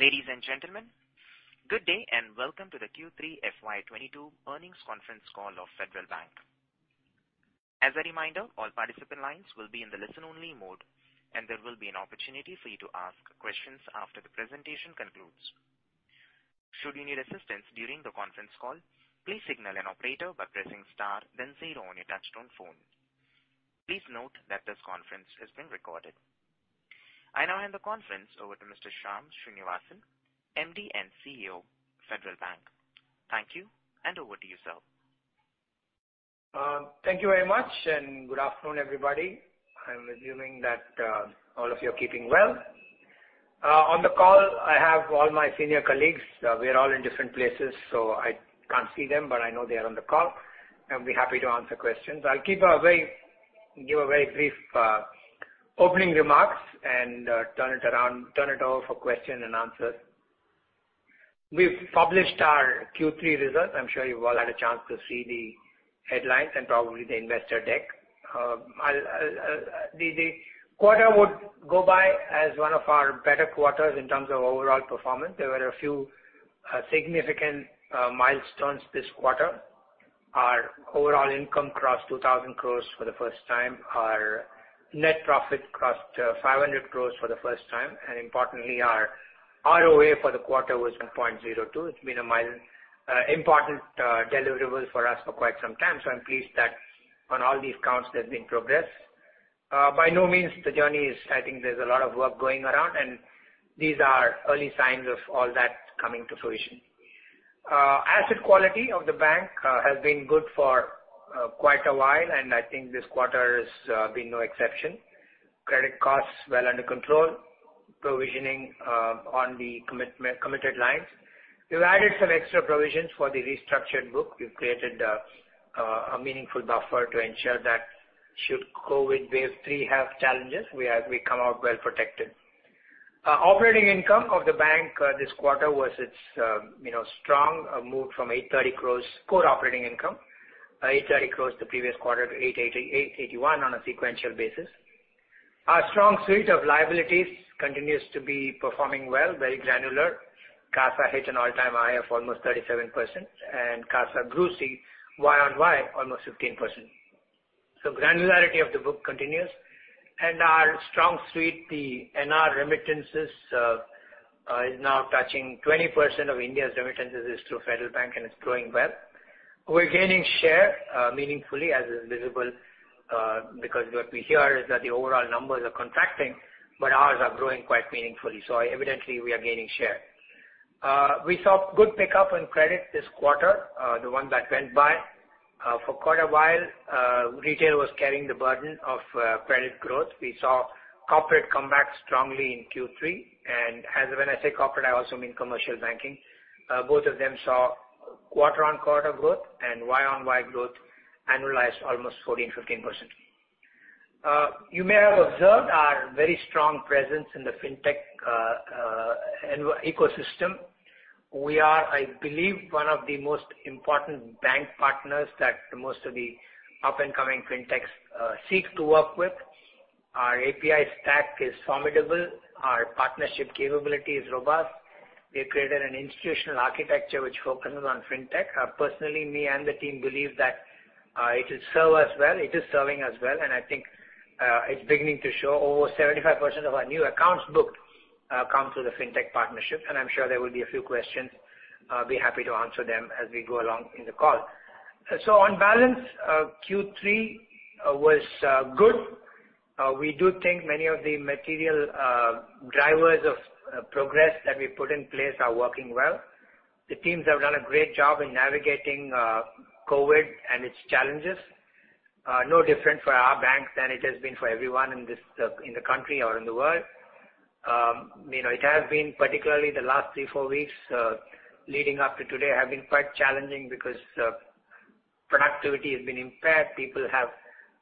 Ladies and gentlemen, good day, and welcome to the Q3 FY 2022 earnings conference call of Federal Bank. As a reminder, all participant lines will be in the listen-only mode, and there will be an opportunity for you to ask questions after the presentation concludes. Should you need assistance during the conference call, please signal an operator by pressing star then zero on your touchtone phone. Please note that this conference is being recorded. I now hand the conference over to Mr. Shyam Srinivasan, MD and CEO, Federal Bank. Thank you, and over to you, sir. Thank you very much, and good afternoon, everybody. I'm assuming that all of you are keeping well. On the call, I have all my senior colleagues. We are all in different places, so I can't see them, but I know they are on the call and will be happy to answer questions. I'll give a very brief opening remarks and turn it over for question and answer. We've published our Q3 results. I'm sure you've all had a chance to see the headlines and probably the investor deck. The quarter would go by as one of our better quarters in terms of overall performance. There were a few significant milestones this quarter. Our overall income crossed 2,000 crores for the first time. Our net profit crossed 500 crore for the first time. Importantly, our ROA for the quarter was 1.02%. It's been a milestone, an important deliverable for us for quite some time, so I'm pleased that on all these counts there's been progress. By no means is the journey. I think there's a lot of work going around, and these are early signs of all that coming to fruition. Asset quality of the bank has been good for quite a while, and I think this quarter has been no exception. Credit costs well under control. Provisioning on the committed lines. We've added some extra provisions for the restructured book. We've created a meaningful buffer to ensure that should COVID wave 3 have challenges, we come out well protected. Operating income of the bank this quarter was its, you know, strong move from 830 crores core operating income, 830 crores the previous quarter to 881 on a sequential basis. Our strong suit of liabilities continues to be performing well, very granular. CASA hit an all-time high of almost 37%, and CASA grew year-over-year almost 15%. Granularity of the book continues. Our strong suit, the NRE remittances, is now touching 20% of India's remittances is through Federal Bank, and it's growing well. We're gaining share meaningfully as is visible, because what we hear is that the overall numbers are contracting, but ours are growing quite meaningfully. Evidently we are gaining share. We saw good pickup on credit this quarter, the one that went by. For quite a while, Retail was carrying the burden of credit growth. We saw Corporate come back strongly in Q3. As when I say Corporate, I also mean Commercial Banking. Both of them saw quarter-over-quarter growth and year-over-year growth annualized almost 14%-15%. You may have observed our very strong presence in the FinTech ecosystem. We are, I believe, one of the most important bank partners that most of the up-and-coming FinTechs seek to work with. Our API stack is formidable. Our partnership capability is robust. We have created an institutional architecture which focuses on FinTech. Personally, me and the team believe that it will serve us well. It is serving us well, and I think it's beginning to show. Over 75% of our new accounts booked come through the FinTech partnership, and I'm sure there will be a few questions. I'll be happy to answer them as we go along in the call. On balance, Q3 was good. We do think many of the material drivers of progress that we put in place are working well. The teams have done a great job in navigating COVID and its challenges. No different for our banks than it has been for everyone in this in the country or in the world. You know, it has been particularly the last 3-4 weeks leading up to today have been quite challenging because productivity has been impaired. People have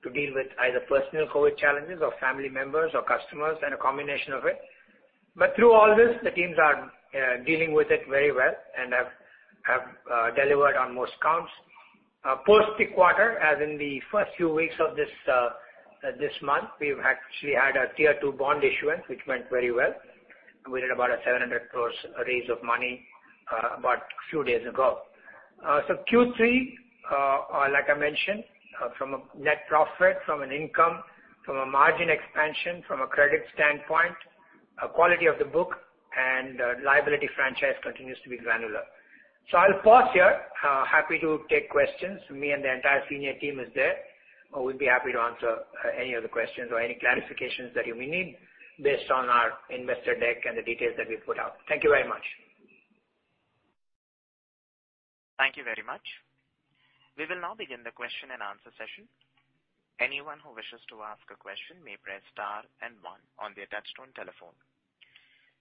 to deal with either personal COVID challenges or family members or customers and a combination of it. Through all this, the teams are dealing with it very well and have delivered on most counts. Post the quarter, as in the first few weeks of this month, we've actually had our Tier 2 bond issuance, which went very well. We did about 700 crore raise of money, about a few days ago. So Q3, like I mentioned, from a net profit, from an income, from a margin expansion, from a credit standpoint, quality of the book and liability franchise continues to be granular. So I'll pause here. Happy to take questions. Me and the entire senior team is there. We'd be happy to answer any of the questions or any clarifications that you may need based on our investor deck and the details that we've put out. Thank you very much. Thank you very much. We will now begin the question-and-answer session. Anyone who wishes to ask a question may press star and one on their touchtone telephone.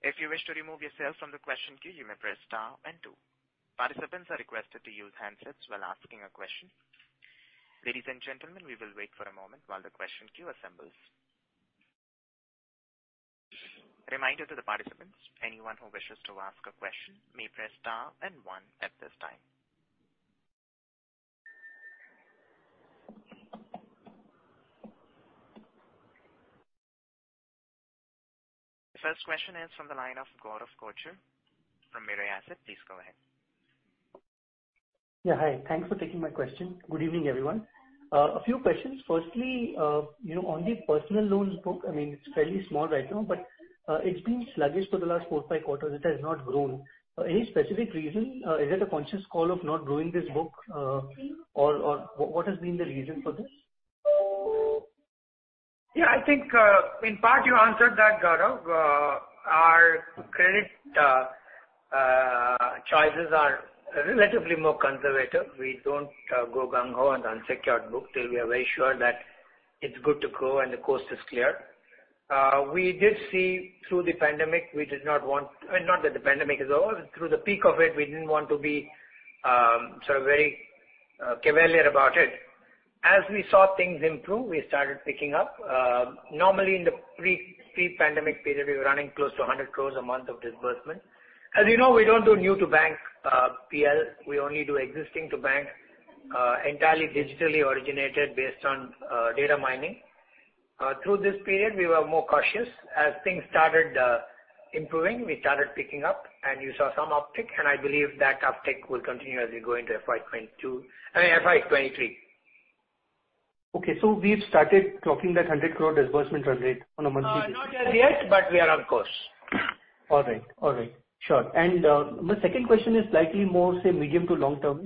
If you wish to remove yourself from the question queue, you may press star and two. Participants are requested to use handsets while asking a question. Ladies and gentlemen, we will wait for a moment while the question queue assembles. Reminder to the participants, anyone who wishes to ask a question may press star and one at this time. First question is from the line of Gaurav Kochar from Mirae Asset. Please go ahead. Yeah, hi. Thanks for taking my question. Good evening, everyone. A few questions. Firstly, you know, on the Personal Loans book, I mean, it's fairly small right now, but it's been sluggish for the last 4, 5 quarters. It has not grown. Any specific reason? Is it a conscious call of not growing this book, or what has been the reason for this? Yeah, I think in part you answered that, Gaurav. Our credit choices are relatively more conservative. We don't go gung-ho on the unsecured book till we are very sure that it's good to grow and the coast is clear. We did see through the pandemic, we did not want, I mean, not that the pandemic is over, through the peak of it to be sort of very cavalier about it. As we saw things improve, we started picking up. Normally in the pre-pandemic period, we were running close to 100 crores a month of disbursement. As you know, we don't do new to bank PL. We only do existing to bank entirely digitally originated based on data mining. Through this period, we were more cautious. As things started improving, we started picking up and you saw some uptick, and I believe that uptick will continue as we go into FY 2022, I mean FY 2023. Okay. We've started talking that 100 crore disbursement run rate on a monthly basis. Not as yet, but we are on course. All right. Sure. My second question is slightly more, say, medium to long-term.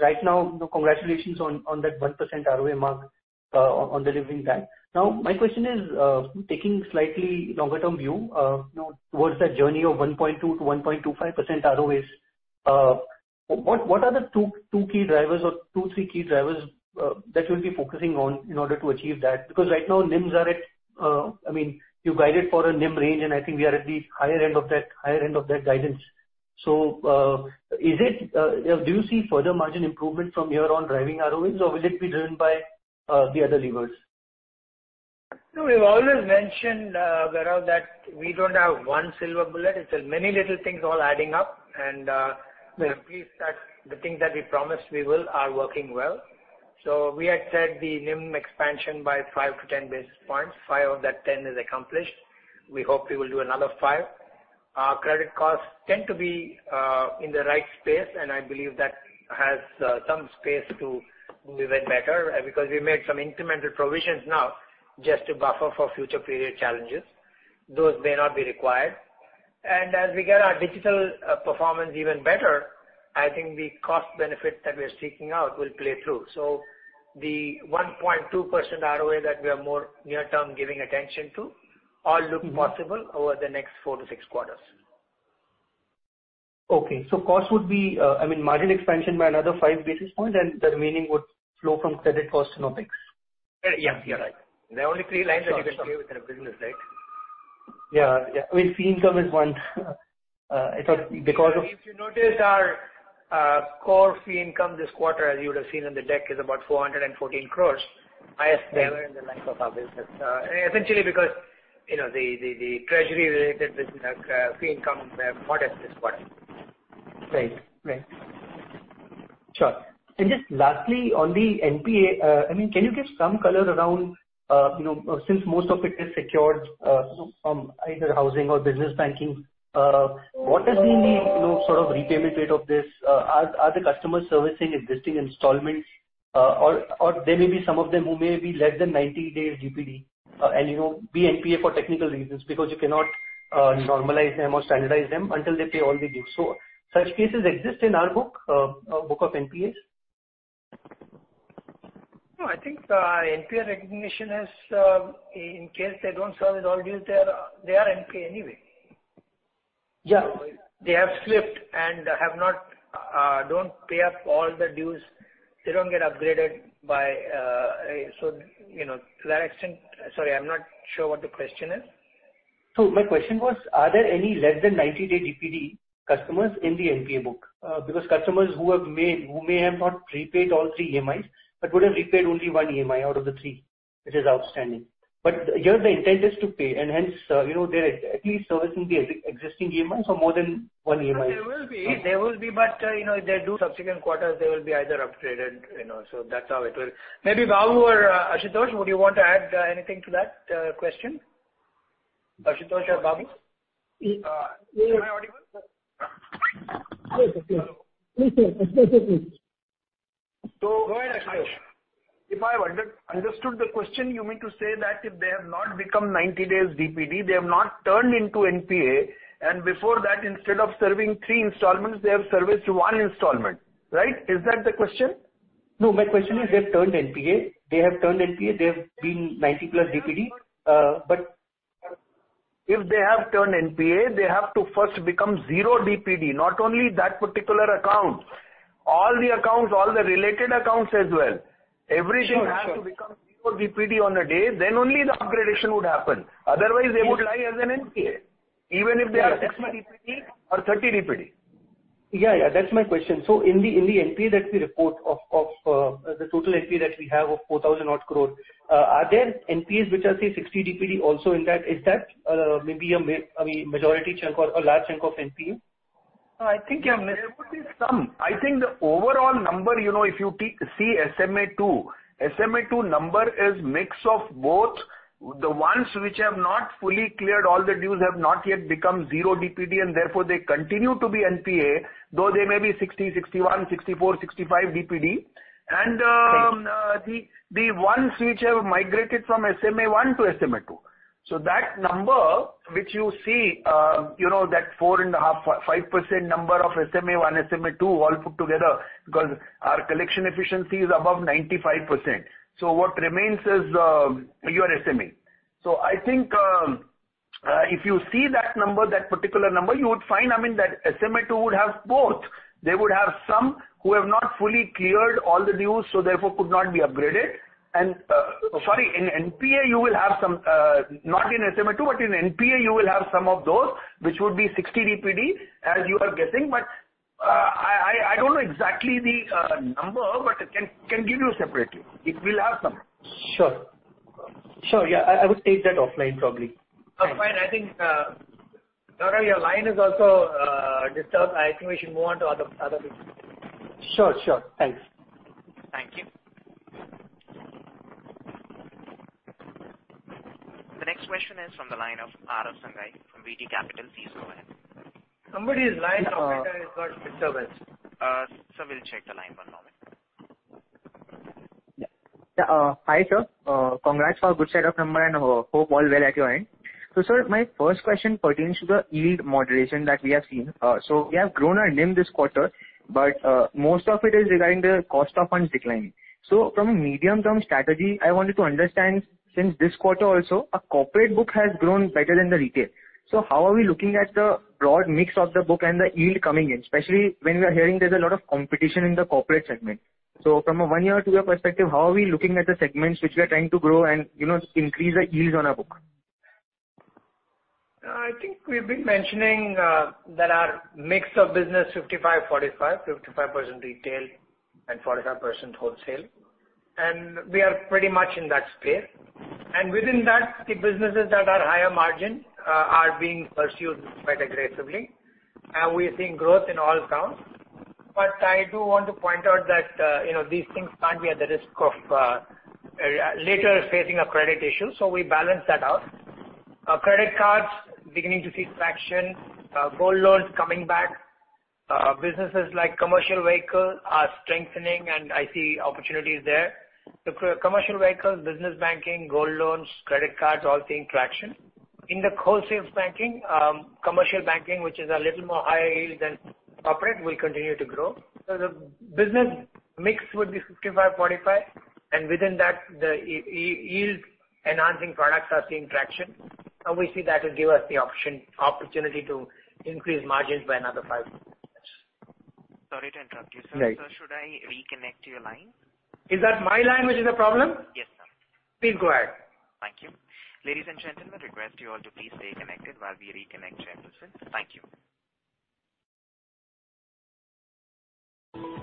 Right now, congratulations on that 1% ROA mark on delivering that. Now, my question is taking slightly longer term view, you know, towards that journey of 1.2%-1.25% ROAs, what are the two key drivers or two, three key drivers that you'll be focusing on in order to achieve that? Because right now, NIMs are at, I mean, you guided for a NIM range, and I think we are at the higher end of that guidance. Is it do you see further margin improvement from here on driving ROAs, or will it be driven by the other levers? No, we've always mentioned, Gaurav, that we don't have one silver bullet. It's many little things all adding up. Right. At least that's the things that we promised we are working well. We had said the NIM expansion by 5-10 basis points. 5 of that 10 is accomplished. We hope we will do another 5. Our credit costs tend to be in the right space, and I believe that has some space to do even better, because we made some incremental provisions now just to buffer for future period challenges. Those may not be required. As we get our digital performance even better, I think the cost benefit that we are seeking out will play through. The 1.2% ROA that we are more near-term giving attention to all look possible over the next 4-6 quarters. Okay. Cost would be, I mean margin expansion by another 5 basis points and the remaining would flow from credit cost to OPEX? Yeah. Yeah, right. Sure. Sure. There are only three lines that you can play with in a business, right? Yeah. I mean, fee income is one. It's not because of. If you noticed our core fee income this quarter, as you would have seen on the deck, is about 414 crore. Right. Highest ever in the life of our business. Essentially because, you know, the treasury-related business, fee income were modest this quarter. Right. Sure. Just lastly, on the NPA, I mean, can you give some color around, you know, since most of it is secured, you know, from either housing or Business Banking, what has been the, you know, sort of repayment rate of this? Are the customers servicing existing installments, or there may be some of them who may be less than 90 days DPD, and you know, be NPA for technical reasons because you cannot, normalize them or standardize them until they pay all the dues. Such cases exist in our book of NPAs? No, I think, NPA recognition has, in case they don't service all dues, they are NPA anyway. Yeah. They have slipped and don't pay up all the dues. They don't get upgraded by, so, you know, to that extent. Sorry, I'm not sure what the question is. My question was, are there any less than 90-day DPD customers in the NPA book? Because customers who may have not prepaid all 3 EMIs, but would have repaid only 1 EMI out of the 3, which is outstanding. Here the intent is to pay and hence, you know, they're at least servicing the existing EMIs or more than 1 EMI. There will be, but you know, if they do subsequent quarters, they will be either upgraded, you know. That's how it will. Maybe Babu or Ashutosh, would you want to add anything to that question? Ashutosh or Babu? Yeah. Am I audible? Please do, please. Go ahead, Ashutosh. If I understood the question, you mean to say that if they have not become 90 days DPD, they have not turned into NPA, and before that, instead of serving 3 installments, they have serviced 1 installment, right? Is that the question? No, my question is, they have turned NPA. They have been 90+ DPD, but- If they have turned NPA, they have to first become zero DPD, not only that particular account, all the accounts, all the related accounts as well. Sure. Sure. Everything has to become 0 DPD on a day, then only the upgradation would happen. Otherwise, they would lie as an NPA, even if they are 60 DPD or 30 DPD. Yeah, yeah. That's my question. In the NPA that we report of the total NPA that we have of 4,000-odd crores, are there NPAs which are, say, 60 DPD also in that? Is that maybe, I mean, majority chunk or a large chunk of NPA? I think you have missed. There would be some. I think the overall number, you know, if you see SMA-2. SMA-2 number is mix of both the ones which have not fully cleared all the dues, have not yet become 0 DPD, and therefore they continue to be NPA, though they may be 60, 61, 64, 65 DPD. The ones which have migrated from SMA-1 to SMA-2. That number which you see, you know, that 4.5%-5% number of SMA-1, SMA-2 all put together because our collection efficiency is above 95%. What remains is your SMA. I think if you see that number, that particular number, you would find, I mean, that SMA-2 would have both. They would have some who have not fully cleared all the dues, so therefore could not be upgraded. Sorry, in NPA you will have some, not in SMA-2, but in NPA you will have some of those which would be 60 DPD as you are guessing. I don't know exactly the number, but can give you separately. It will have some. Sure, yeah, I will take that offline probably. No, fine. I think, Gaurav, your line is also disturbed. I think we should move on to other people. Sure, sure. Thanks. Thank you. The next question is from the line of Arav Sangai from VT Capital. Please go ahead. Somebody's line operator has got disturbance. Sir, we'll check the line. One moment. Yeah. Hi, sir. Congrats for good set of numbers and hope all well at your end. My first question pertains to the yield moderation that we have seen. We have grown our NIM this quarter, but most of it is regarding the cost of funds declining. From a medium-term strategy, I wanted to understand, since this quarter also, our Corporate book has grown better than the Retail. How are we looking at the broad mix of the book and the yield coming in? Especially when we are hearing there's a lot of competition in the Corporate segment. From a one-year to two-year perspective, how are we looking at the segments which we are trying to grow and, you know, increase the yields on our book? I think we've been mentioning that our mix of business, 55, 45, 55% Retail and 45% wholesale, and we are pretty much in that space. Within that, the businesses that are higher margin are being pursued quite aggressively. We are seeing growth in all counts. I do want to point out that, you know, these things can't be at the risk of later facing a credit issue. We balance that out. Credit cards beginning to see traction. Gold Loans coming back. Businesses like Commercial Vehicle are strengthening, and I see opportunities there. The Commercial Vehicles, Business Banking, Gold Loans, Credit Cards, all seeing traction. In the Wholesale Banking, Commercial Banking, which is a little more higher yield than Corporate, will continue to grow. The business mix would be 55%-45%, and within that the yield enhancing products are seeing traction, and we see that will give us the option, opportunity to increase margins by another 5 basis points. Sorry to interrupt you, sir. Right. Sir, should I reconnect your line? Is that my line which is a problem? Yes, sir. Please go ahead. Thank you. Ladies and gentlemen, request you all to please stay connected while we reconnect the chairperson. Thank you. Ladies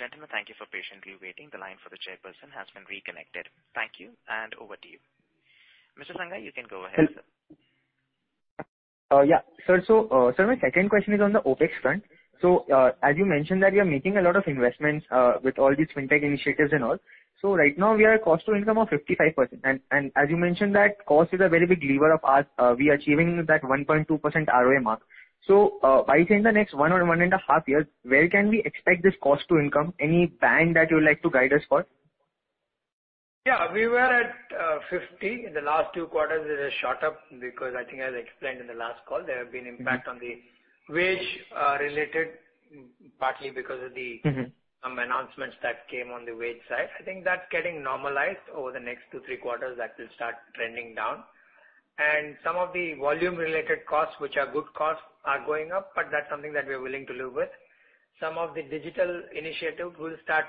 and gentlemen, thank you for patiently waiting. The line for the chairperson has been reconnected. Thank you, and over to you, Mr. Sangai. You can go ahead. Yes. Sir, my second question is on the OpEx front. As you mentioned that you are making a lot of investments with all these FinTech initiatives and all. Right now we are at cost to income of 55%. And as you mentioned that cost is a very big lever of ours, we are achieving that 1.2% ROA mark. By say in the next one or one and a half years, where can we expect this cost to income? Any band that you would like to guide us for? Yeah. We were at 50. In the last two quarters it has shot up because I think as I explained in the last call, there have been impact on the wage-related margin partly because of some announcements that came on the wage side. I think that's getting normalized over the next two, three quarters that will start trending down. Some of the volume related costs, which are good costs, are going up, but that's something that we are willing to live with. Some of the digital initiatives will start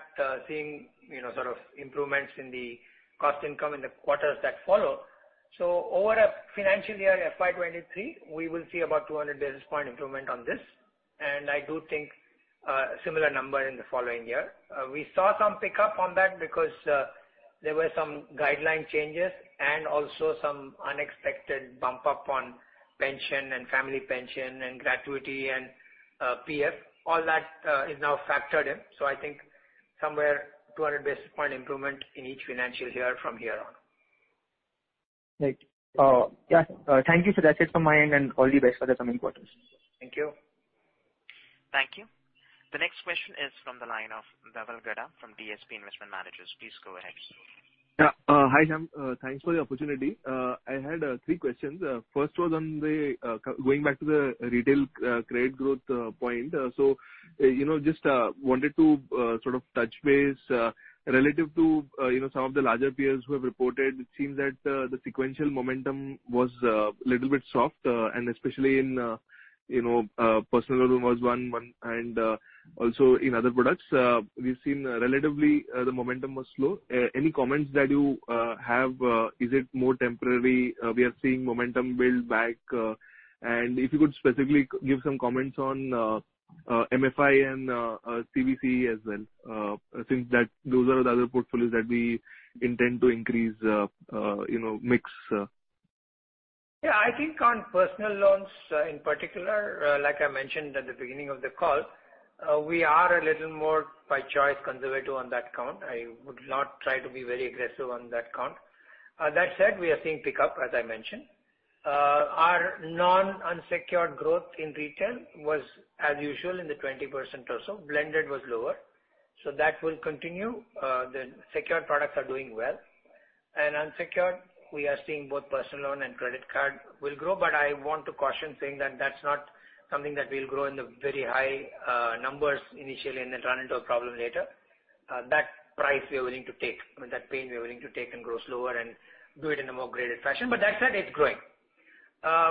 seeing, you know, sort of improvements in the cost income in the quarters that follow. Over a financial year, FY 2023, we will see about 200 basis point improvement on this. I do think similar number in the following year. We saw some pickup on that because there were some guideline changes and also some unexpected bump up on pension and family pension and gratuity and PF. All that is now factored in. I think somewhere 200 basis points improvement in each financial year from here on. Right. Yeah. Thank you, sir. That's it from my end and all the best for the coming quarters. Thank you. Thank you. The next question is from the line of Dhaval Gada from DSP Investment Managers. Please go ahead. Yeah. Hi, Shyam. Thanks for the opportunity. I had three questions. First was on the going back to the Retail credit growth point. So, you know, just wanted to sort of touch base relative to, you know, some of the larger peers who have reported. It seems that the sequential momentum was little bit soft, and especially in, you know, Personal Loan was one and also in other products. We've seen relatively the momentum was slow. Any comments that you have? Is it more temporary? We are seeing momentum build back. If you could specifically give some comments on MFI and CVC as well, since those are the other portfolios that we intend to increase, you know, mix. Yeah, I think on Personal Loans, in particular, like I mentioned at the beginning of the call, we are a little more by choice conservative on that count. I would not try to be very aggressive on that count. That said, we are seeing pickup, as I mentioned. Our non-unsecured growth in Retail was as usual in the 20% or so. Blended was lower, so that will continue. The secured products are doing well. Unsecured, we are seeing both Personal Loan and credit card will grow, but I want to caution saying that that's not something that will grow in the very high numbers initially and then run into a problem later. That risk we are willing to take. I mean, that pain we are willing to take and grow slower and do it in a more graded fashion. That said, it's growing.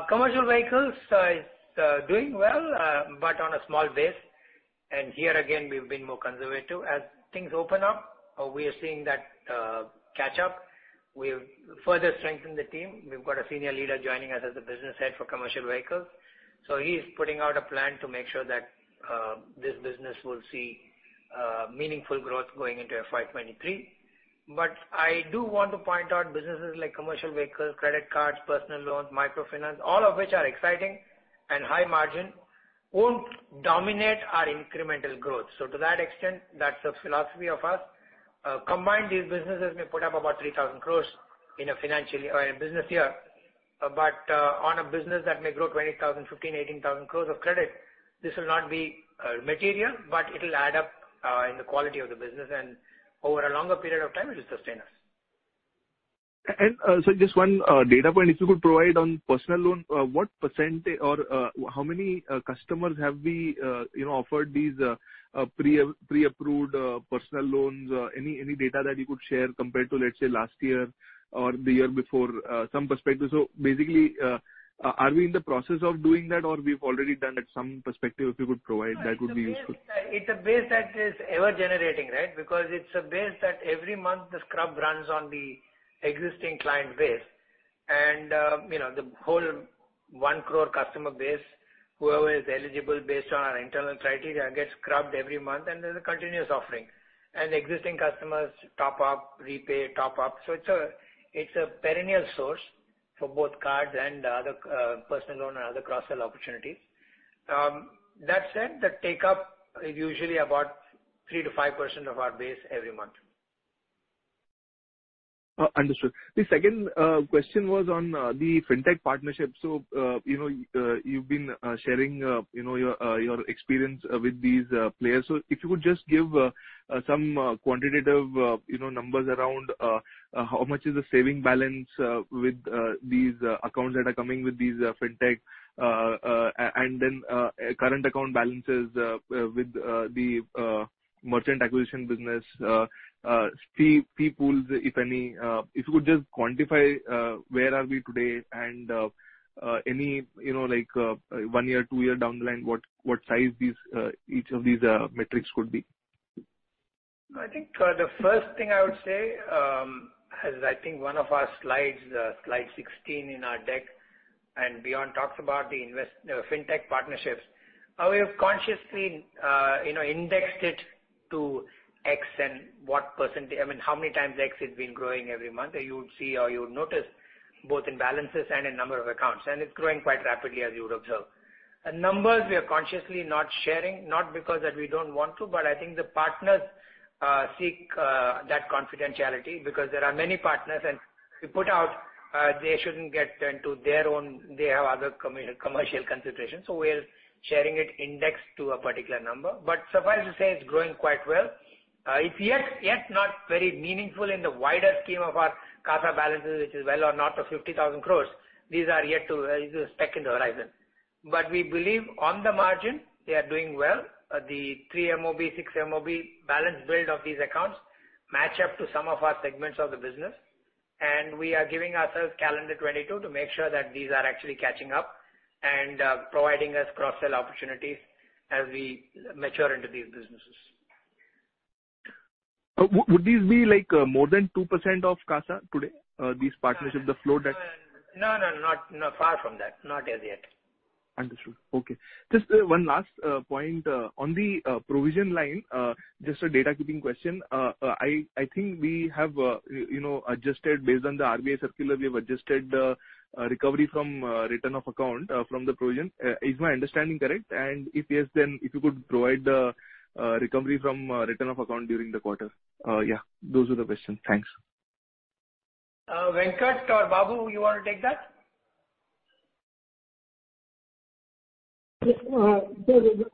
Commercial Vehicles, it's doing well, but on a small base, and here again, we've been more conservative. As things open up, we are seeing that catch up. We've further strengthened the team. We've got a senior leader joining us as a business head for Commercial Vehicles, so he is putting out a plan to make sure that this business will see meaningful growth going into FY 2023. I do want to point out businesses like Commercial Vehicles, credit cards, Personal Loans, Microfinance, all of which are exciting and high margin, won't dominate our incremental growth. To that extent, that's the philosophy of us. Combined, these businesses may put up about 3,000 crore in a financial year or in a business year. on a business that may grow 20,000 crores, 15,000 crores, 18,000 crores of credit, this will not be material, but it'll add up in the quality of the business and over a longer period of time it will sustain us. Just one data point, if you could provide on Personal Loan, what % or how many customers have we, you know, offered these pre-approved Personal Loans? Any data that you could share compared to, let's say, last year or the year before, some perspective. Basically, are we in the process of doing that or we've already done it? Some perspective, if you could provide, that would be useful. It's a base that is ever generating, right? Because it's a base that every month the scrub runs on the existing client base and, you know, the whole 1 crore customer base, whoever is eligible based on our internal criteria, gets scrubbed every month and there's a continuous offering. Existing customers top up, repay, top up. It's a perennial source for both cards and other Personal Loan and other cross-sell opportunities. That said, the take-up is usually about 3%-5% of our base every month. Understood. The second question was on the FinTech partnership. You know, you've been sharing your experience with these players. If you could just give some quantitative numbers around how much is the savings balance with these accounts that are coming with these FinTech, and then current account balances with the merchant acquisition business, fee pools, if any. If you could just quantify where we are today and any, you know, like, one year or two year down the line, what size each of these metrics could be. I think the first thing I would say, as I think one of our slides, slide 16 in our deck and beyond, talks about the FinTech partnerships. We have consciously, you know, indexed it to X and what percent, I mean, how many times X has been growing every month, you would see or you would notice both in balances and in number of accounts, and it's growing quite rapidly as you would observe. Numbers we are consciously not sharing, not because that we don't want to, but I think the partners seek that confidentiality because there are many partners, and if we put out, they shouldn't get into their own. They have other commercial considerations, so we're sharing it indexed to a particular number. Suffice to say it's growing quite well. It's yet not very meaningful in the wider scheme of our CASA balances, which is well north of 50,000 crore. These are yet to, you know, speck on the horizon. We believe on the margin they are doing well. The 3 MOB, 6 MOB balance build of these accounts match up to some of our segments of the business, and we are giving ourselves calendar 2022 to make sure that these are actually catching up and, providing us cross-sell opportunities as we mature into these businesses. Would these be like more than 2% of CASA today? These partnerships, the flow that- No, far from that. Not as yet. Understood. Okay. Just one last point on the provision line, just a housekeeping question. I think we have, you know, adjusted recovery from written-off accounts from the provision based on the RBI circular. Is my understanding correct? If yes, then if you could provide the recovery from written-off accounts during the quarter. Yeah, those are the questions. Thanks. Venkat or Babu, you want to take that?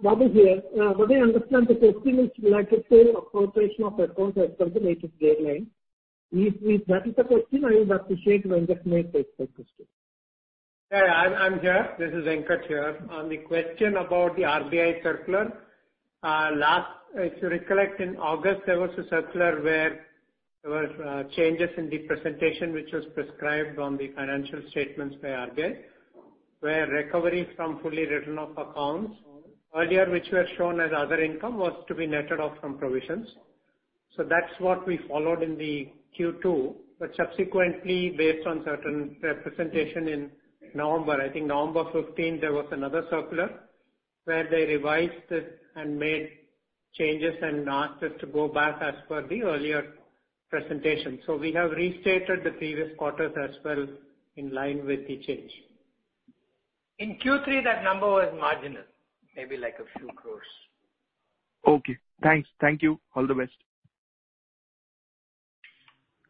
Babu here. What I understand the question is like a sale of Corporate accounts as per the latest guideline. If that is the question, I would appreciate if Venkat may take that question. This is Venkat here. On the question about the RBI circular. Last, if you recollect, in August, there was a circular where there was changes in the presentation which was prescribed on the financial statements by RBI, where recovery from fully written off accounts earlier, which were shown as other income, was to be netted off from provisions. That's what we followed in the Q2. Subsequently, based on certain representations in November, I think November 15, there was another circular where they revised it and made changes and asked us to go back as per the earlier presentation. We have restated the previous quarters as well in line with the change. In Q3, that number was marginal, maybe like a few crores. Okay, thanks. Thank you. All the best.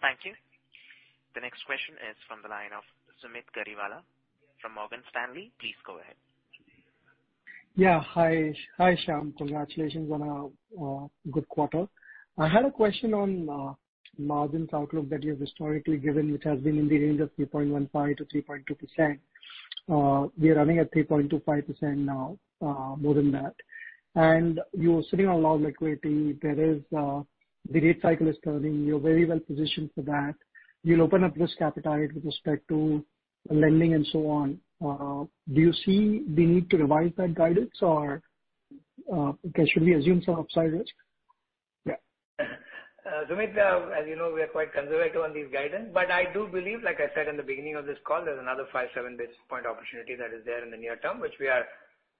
Thank you. The next question is from the line of Sumeet Kariwala from Morgan Stanley. Please go ahead. Yeah. Hi. Hi, Shyam. Congratulations on a good quarter. I had a question on margins outlook that you've historically given, which has been in the range of 3.15%-3.2%. We are running at 3.25% now, more than that. You're sitting on a lot of liquidity. The rate cycle is turning. You're very well positioned for that. You'll open up this capital with respect to lending and so on. Do you see the need to revise that guidance or should we assume some upside risk? Yeah. Sumeet, as you know, we are quite conservative on this guidance, but I do believe, like I said in the beginning of this call, there's another 5 basis points-7 basis points opportunity that is there in the near term, which we are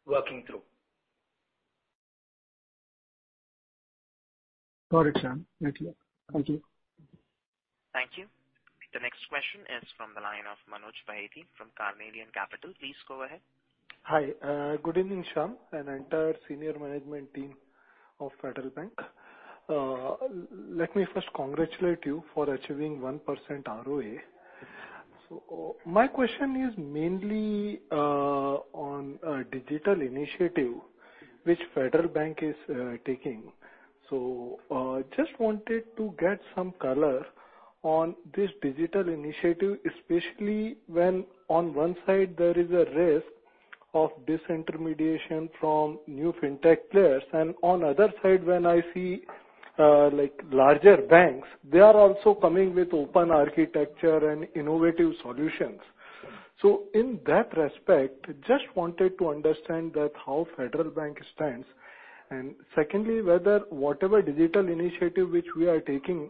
working through. Got it, Shyam. Thank you. Thank you. Thank you. The next question is from the line of Manoj Bahety from Carnelian Capital. Please go ahead. Hi. Good evening, Shyam, and entire senior management team of Federal Bank. Let me first congratulate you for achieving 1% ROA. My question is mainly on a digital initiative which Federal Bank is taking. Just wanted to get some color on this digital initiative, especially when on one side there is a risk of disintermediation from new FinTech players, and on other side, when I see, like larger banks, they are also coming with open architecture and innovative solutions. In that respect, just wanted to understand that how Federal Bank stands and secondly, whether whatever digital initiative which we are taking,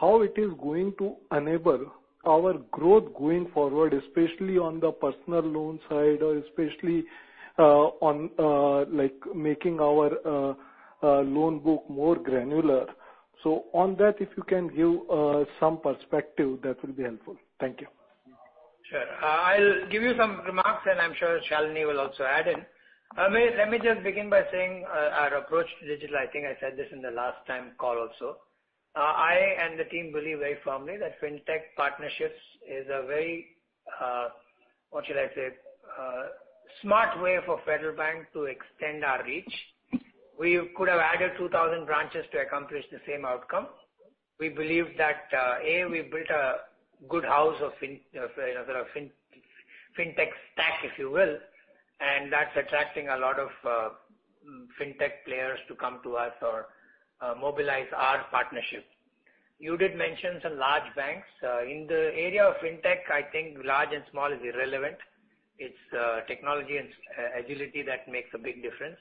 how it is going to enable our growth going forward, especially on the Personal Loan side or especially, on, like making our loan book more granular. On that, if you can give some perspective, that will be helpful. Thank you. Sure. I'll give you some remarks, and I'm sure Shalini will also add in. Manoj, let me just begin by saying, our approach to digital, I think I said this in the last time call also. I and the team believe very firmly that FinTech partnerships is a very, what should I say, smart way for Federal Bank to extend our reach. We could have added 2,000 branches to accomplish the same outcome. We believe that, A, we built a good house of, you know, FinTech stack, if you will, and that's attracting a lot of FinTech players to come to us or, mobilize our partnership. You did mention some large banks. In the area of FinTech, I think large and small is irrelevant. It's, technology and agility that makes a big difference.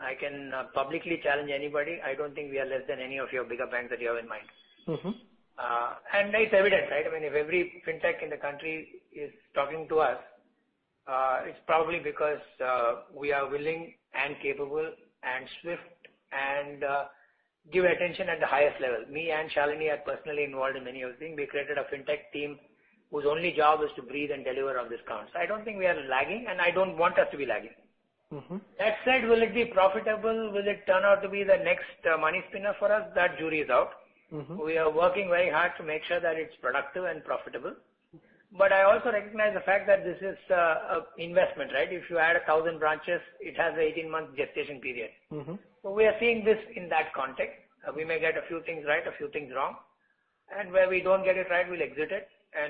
I can publicly challenge anybody. I don't think we are less than any of your bigger banks that you have in mind. It's evident, right? I mean, if every FinTech in the country is talking to us, it's probably because we are willing and capable and swift and give attention at the highest level. Me and Shalini are personally involved in many of the things. We created a FinTech team whose only job is to breathe and deliver on this count. I don't think we are lagging, and I don't want us to be lagging. That said, will it be profitable? Will it turn out to be the next money spinner for us? The jury is out. We are working very hard to make sure that it's productive and profitable. I also recognize the fact that this is a investment, right? If you add 1,000 branches, it has 18-month gestation period. We are seeing this in that context. We may get a few things right, a few things wrong. Where we don't get it right, we'll exit it.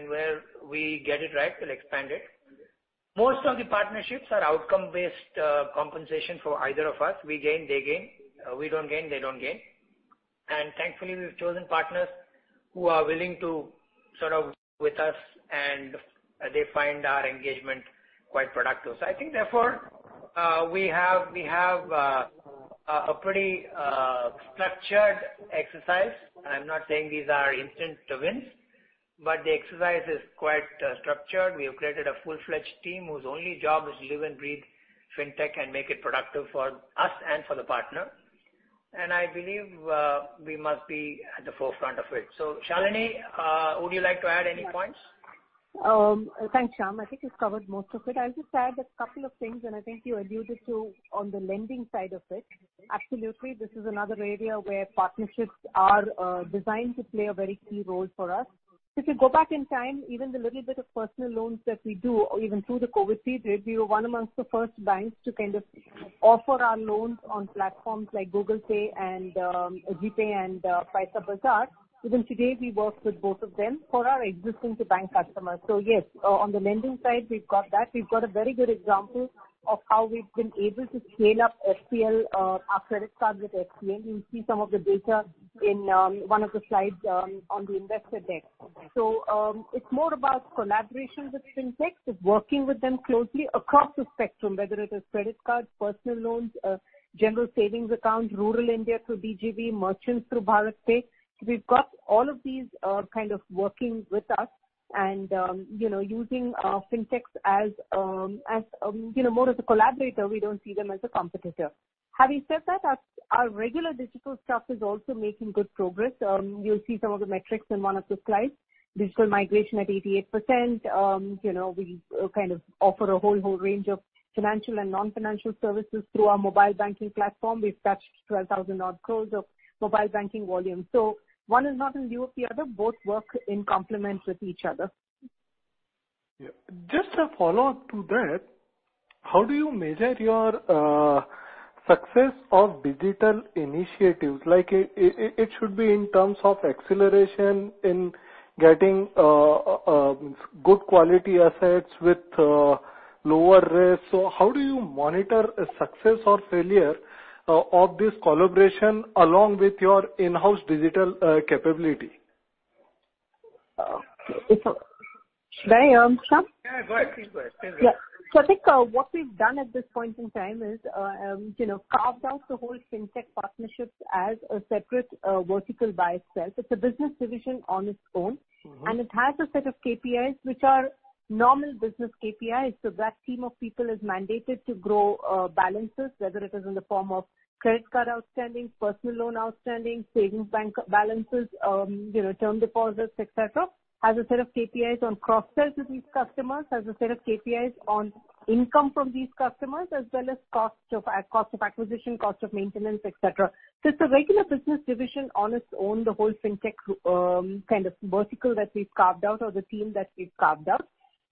Where we get it right, we'll expand it. Most of the partnerships are outcome-based compensation for either of us. We gain, they gain. We don't gain, they don't gain. Thankfully, we've chosen partners who are willing to sort of with us, and they find our engagement quite productive. I think therefore we have a pretty structured exercise. I'm not saying these are instant wins, but the exercise is quite structured. We have created a full-fledged team whose only job is live and breathe FinTech and make it productive for us and for the partner. I believe we must be at the forefront of it. Shalini, would you like to add any points? Thanks, Shyam. I think you've covered most of it. I'll just add a couple of things, and I think you alluded to on the lending side of it. Absolutely. This is another area where partnerships are designed to play a very key role for us. If you go back in time, even the little bit of Personal Loans that we do or even through the COVID period, we were one amongst the first banks to kind of offer our loans on platforms like Google Pay and GPay and Paisabazaar. Even today, we work with both of them for our existing bank customers. Yes, on the lending side, we've got that. We've got a very good example of how we've been able to scale up FPL, our credit card with HDFC. You'll see some of the data in one of the slides on the investor deck. It's more about collaborations with FinTech, working with them closely across the spectrum, whether it is credit cards, Personal Loans, general savings accounts, rural India through BGV, merchants through BharatPe. We've got all of these kind of working with us and you know, using FinTechs as you know, more as a collaborator. We don't see them as a competitor. Having said that, our regular digital stuff is also making good progress. You'll see some of the metrics in one of the slides. Digital migration at 88%. You know, we kind of offer a whole range of financial and non-financial services through our mobile banking platform. We've touched 12,000-odd crore of mobile banking volume. One is not in lieu of the other. Both work in complement with each other. Yeah. Just a follow-up to that. How do you measure your success of digital initiatives? Like, it should be in terms of acceleration in getting good quality assets with lower risk. So how do you monitor a success or failure of this collaboration along with your in-house digital capability? May I start? Yeah, go ahead. Please go ahead. Yeah. I think what we've done at this point in time is, you know, carved out the whole FinTech partnerships as a separate vertical by itself. It's a business division on its own. It has a set of KPIs which are normal business KPIs. That team of people is mandated to grow balances, whether it is in the form of credit card outstanding, Personal Loan outstanding, savings bank balances, you know, term deposits, et cetera. It has a set of KPIs on cross-sells with these customers, has a set of KPIs on income from these customers, as well as cost of acquisition, cost of maintenance, et cetera. It's a regular business division on its own, the whole FinTech kind of vertical that we've carved out or the team that we've carved out.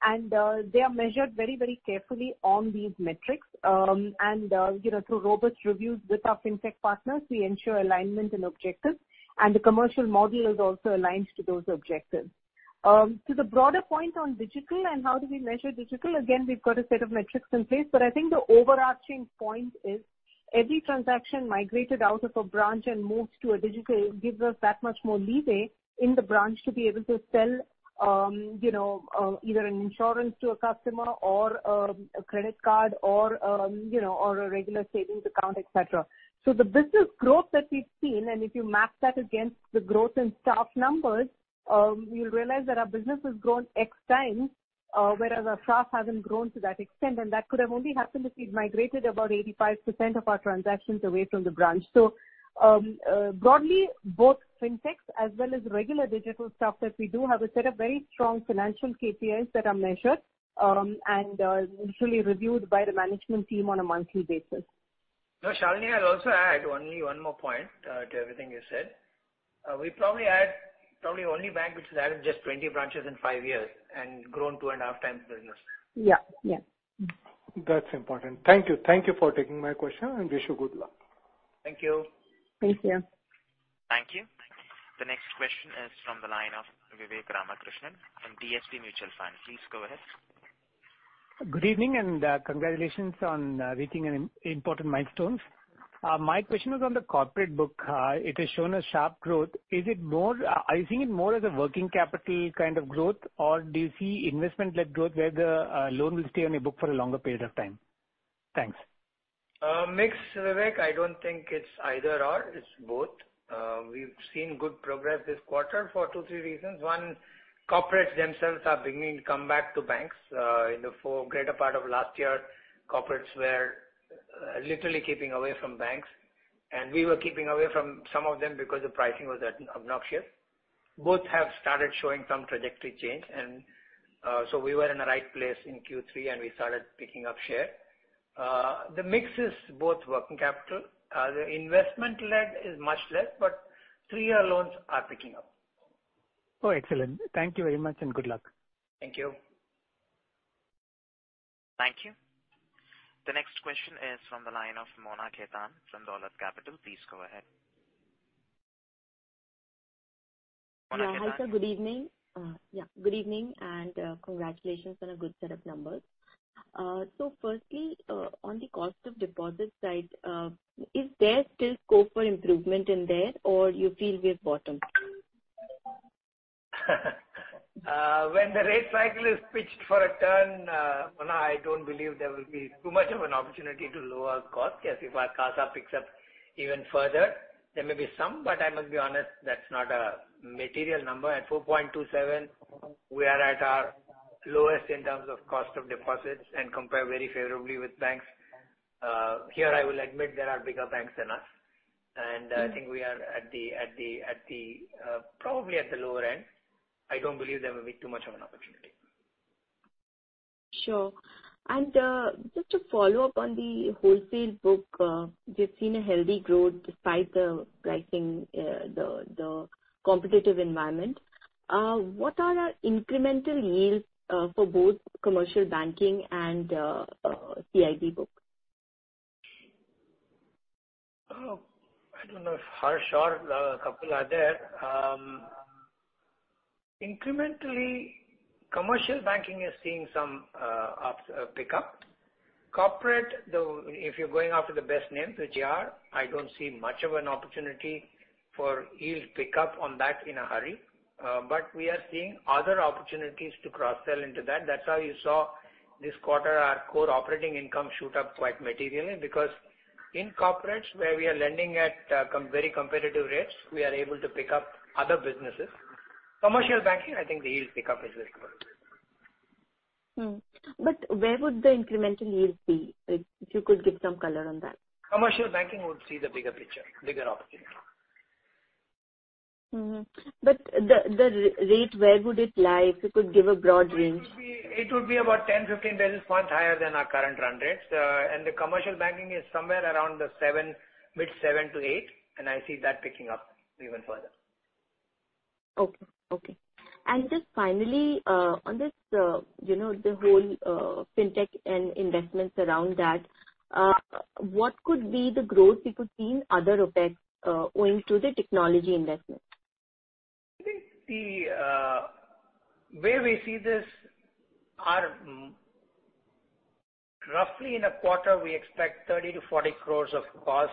They are measured very, very carefully on these metrics. You know, through robust reviews with our FinTech partners, we ensure alignment and objectives, and the commercial model is also aligned to those objectives. To the broader point on digital and how do we measure digital, again, we've got a set of metrics in place, but I think the overarching point is every transaction migrated out of a branch and moves to a digital, it gives us that much more leeway in the branch to be able to sell, you know, either an insurance to a customer or, a credit card or, you know, or a regular savings account, et cetera. The business growth that we've seen, and if you map that against the growth in staff numbers, you'll realize that our business has grown X times, whereas our staff hasn't grown to that extent, and that could have only happened if we'd migrated about 85% of our transactions away from the branch. Broadly, both FinTechs as well as regular digital stuff that we do have a set of very strong financial KPIs that are measured and usually reviewed by the management team on a monthly basis. No, Shalini, I'll also add only one more point to everything you said. We are probably the only bank which has added just 20 branches in five years and grown two and a half times business. Yeah. Yeah. That's important. Thank you. Thank you for taking my question, and wish you good luck. Thank you. Thank you. Thank you. The next question is from the line of Vivek Ramakrishnan from DSP Mutual Fund. Please go ahead. Good evening, and congratulations on reaching an important milestone. My question is on the Corporate book. It has shown a sharp growth. Is it more, I think of it more as a working capital kind of growth, or do you see investment-led growth where the loan will stay on your book for a longer period of time? Thanks. Mix, Vivek. I don't think it's either/or. It's both. We've seen good progress this quarter for two, three reasons. One, Corporates themselves are beginning to come back to banks. In the greater part of last year, Corporates were literally keeping away from banks, and we were keeping away from some of them because the pricing was at obnoxious. Both have started showing some trajectory change, and so we were in the right place in Q3, and we started picking up share. The mix is both working capital. The investment-led is much less, but three-year loans are picking up. Oh, excellent. Thank you very much, and good luck. Thank you. Thank you. The next question is from the line of Mona Khetan from Dolat Capital. Please go ahead. Mona Khetan. Hi, sir. Good evening. Good evening, and congratulations on a good set of numbers. Firstly, on the cost of deposit side, is there still scope for improvement in there or you feel we've bottomed? When the rate cycle is pitched for a turn, Mona, I don't believe there will be too much of an opportunity to lower cost. Yes, if our CASA picks up even further, there may be some, but I must be honest, that's not a material number. At 4.27%, we are at our lowest in terms of cost of deposits and compare very favorably with banks. Here I will admit there are bigger banks than us, and I think we are probably at the lower end. I don't believe there will be too much of an opportunity. Sure. Just to follow up on the wholesale book, we've seen a healthy growth despite the pricing, the competitive environment. What are our incremental yields for both Commercial Banking and CIB book? I don't know if Harsh or a couple are there. Incrementally, Commercial Banking is seeing some pick up. Corporate, though, if you're going after the best names, which you are, I don't see much of an opportunity for yield pick up on that in a hurry. We are seeing other opportunities to cross-sell into that. That's how you saw this quarter, our core operating income shoot up quite materially. Because in Corporates where we are lending at very competitive rates, we are able to pick up other businesses. Commercial Banking, I think the yield pick up is very good. Where would the incremental yield be, if you could give some color on that? Commercial Banking would see the bigger picture, bigger opportunity. The rate, where would it lie, if you could give a broad range? It would be about 10 basis points-15 basis points higher than our current run rates. The Commercial Banking is somewhere around 7%, mid-7% to 8%, and I see that picking up even further. Okay. Just finally, on this, you know, the whole, FinTech and investments around that, what could be the growth we could see in other OpEx, owing to the technology investment? I think where we see this is, roughly in a quarter, we expect 30 crore-40 crore of cost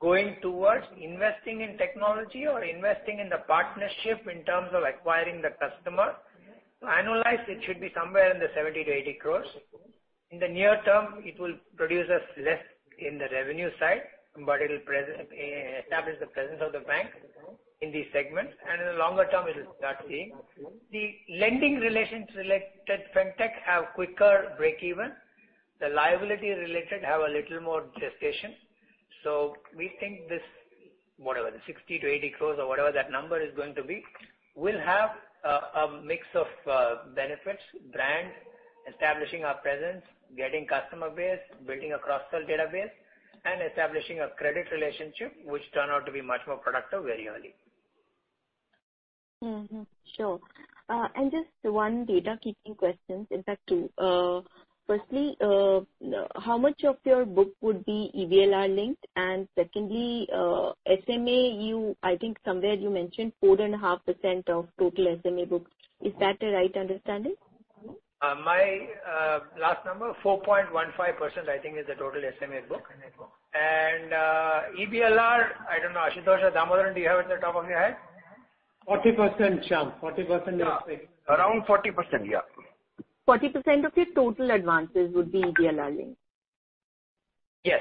going towards investing in technology or investing in the partnership in terms of acquiring the customer. To annualize, it should be somewhere in the 70 crore-80 crore. In the near term, it will produce us less in the revenue side, but it'll establish the presence of the bank in these segments, and in the longer term, it'll start seeing. The lending relations related FinTech have quicker break even. The liability related have a little more gestation. We think this, whatever, the 60 crore-80 crore or whatever that number is going to be, will have a mix of benefits: brand, establishing our presence, getting customer base, building a cross-sell database, and establishing a credit relationship which turn out to be much more productive very early. Sure. Just one housekeeping question, in fact, two. Firstly, how much of your book would be EBLR linked? Secondly, SMA, you, I think somewhere you mentioned 4.5% of total SMA books. Is that a right understanding? My last number, 4.15%, I think, is the total SMA book. EBLR, I don't know. Ashutosh or Damodaran, do you have it at the top of your head? Forty percent, Shyam. Forty percent. Around 40%, yeah. 40% of your total advances would be EBLR linked? Yes.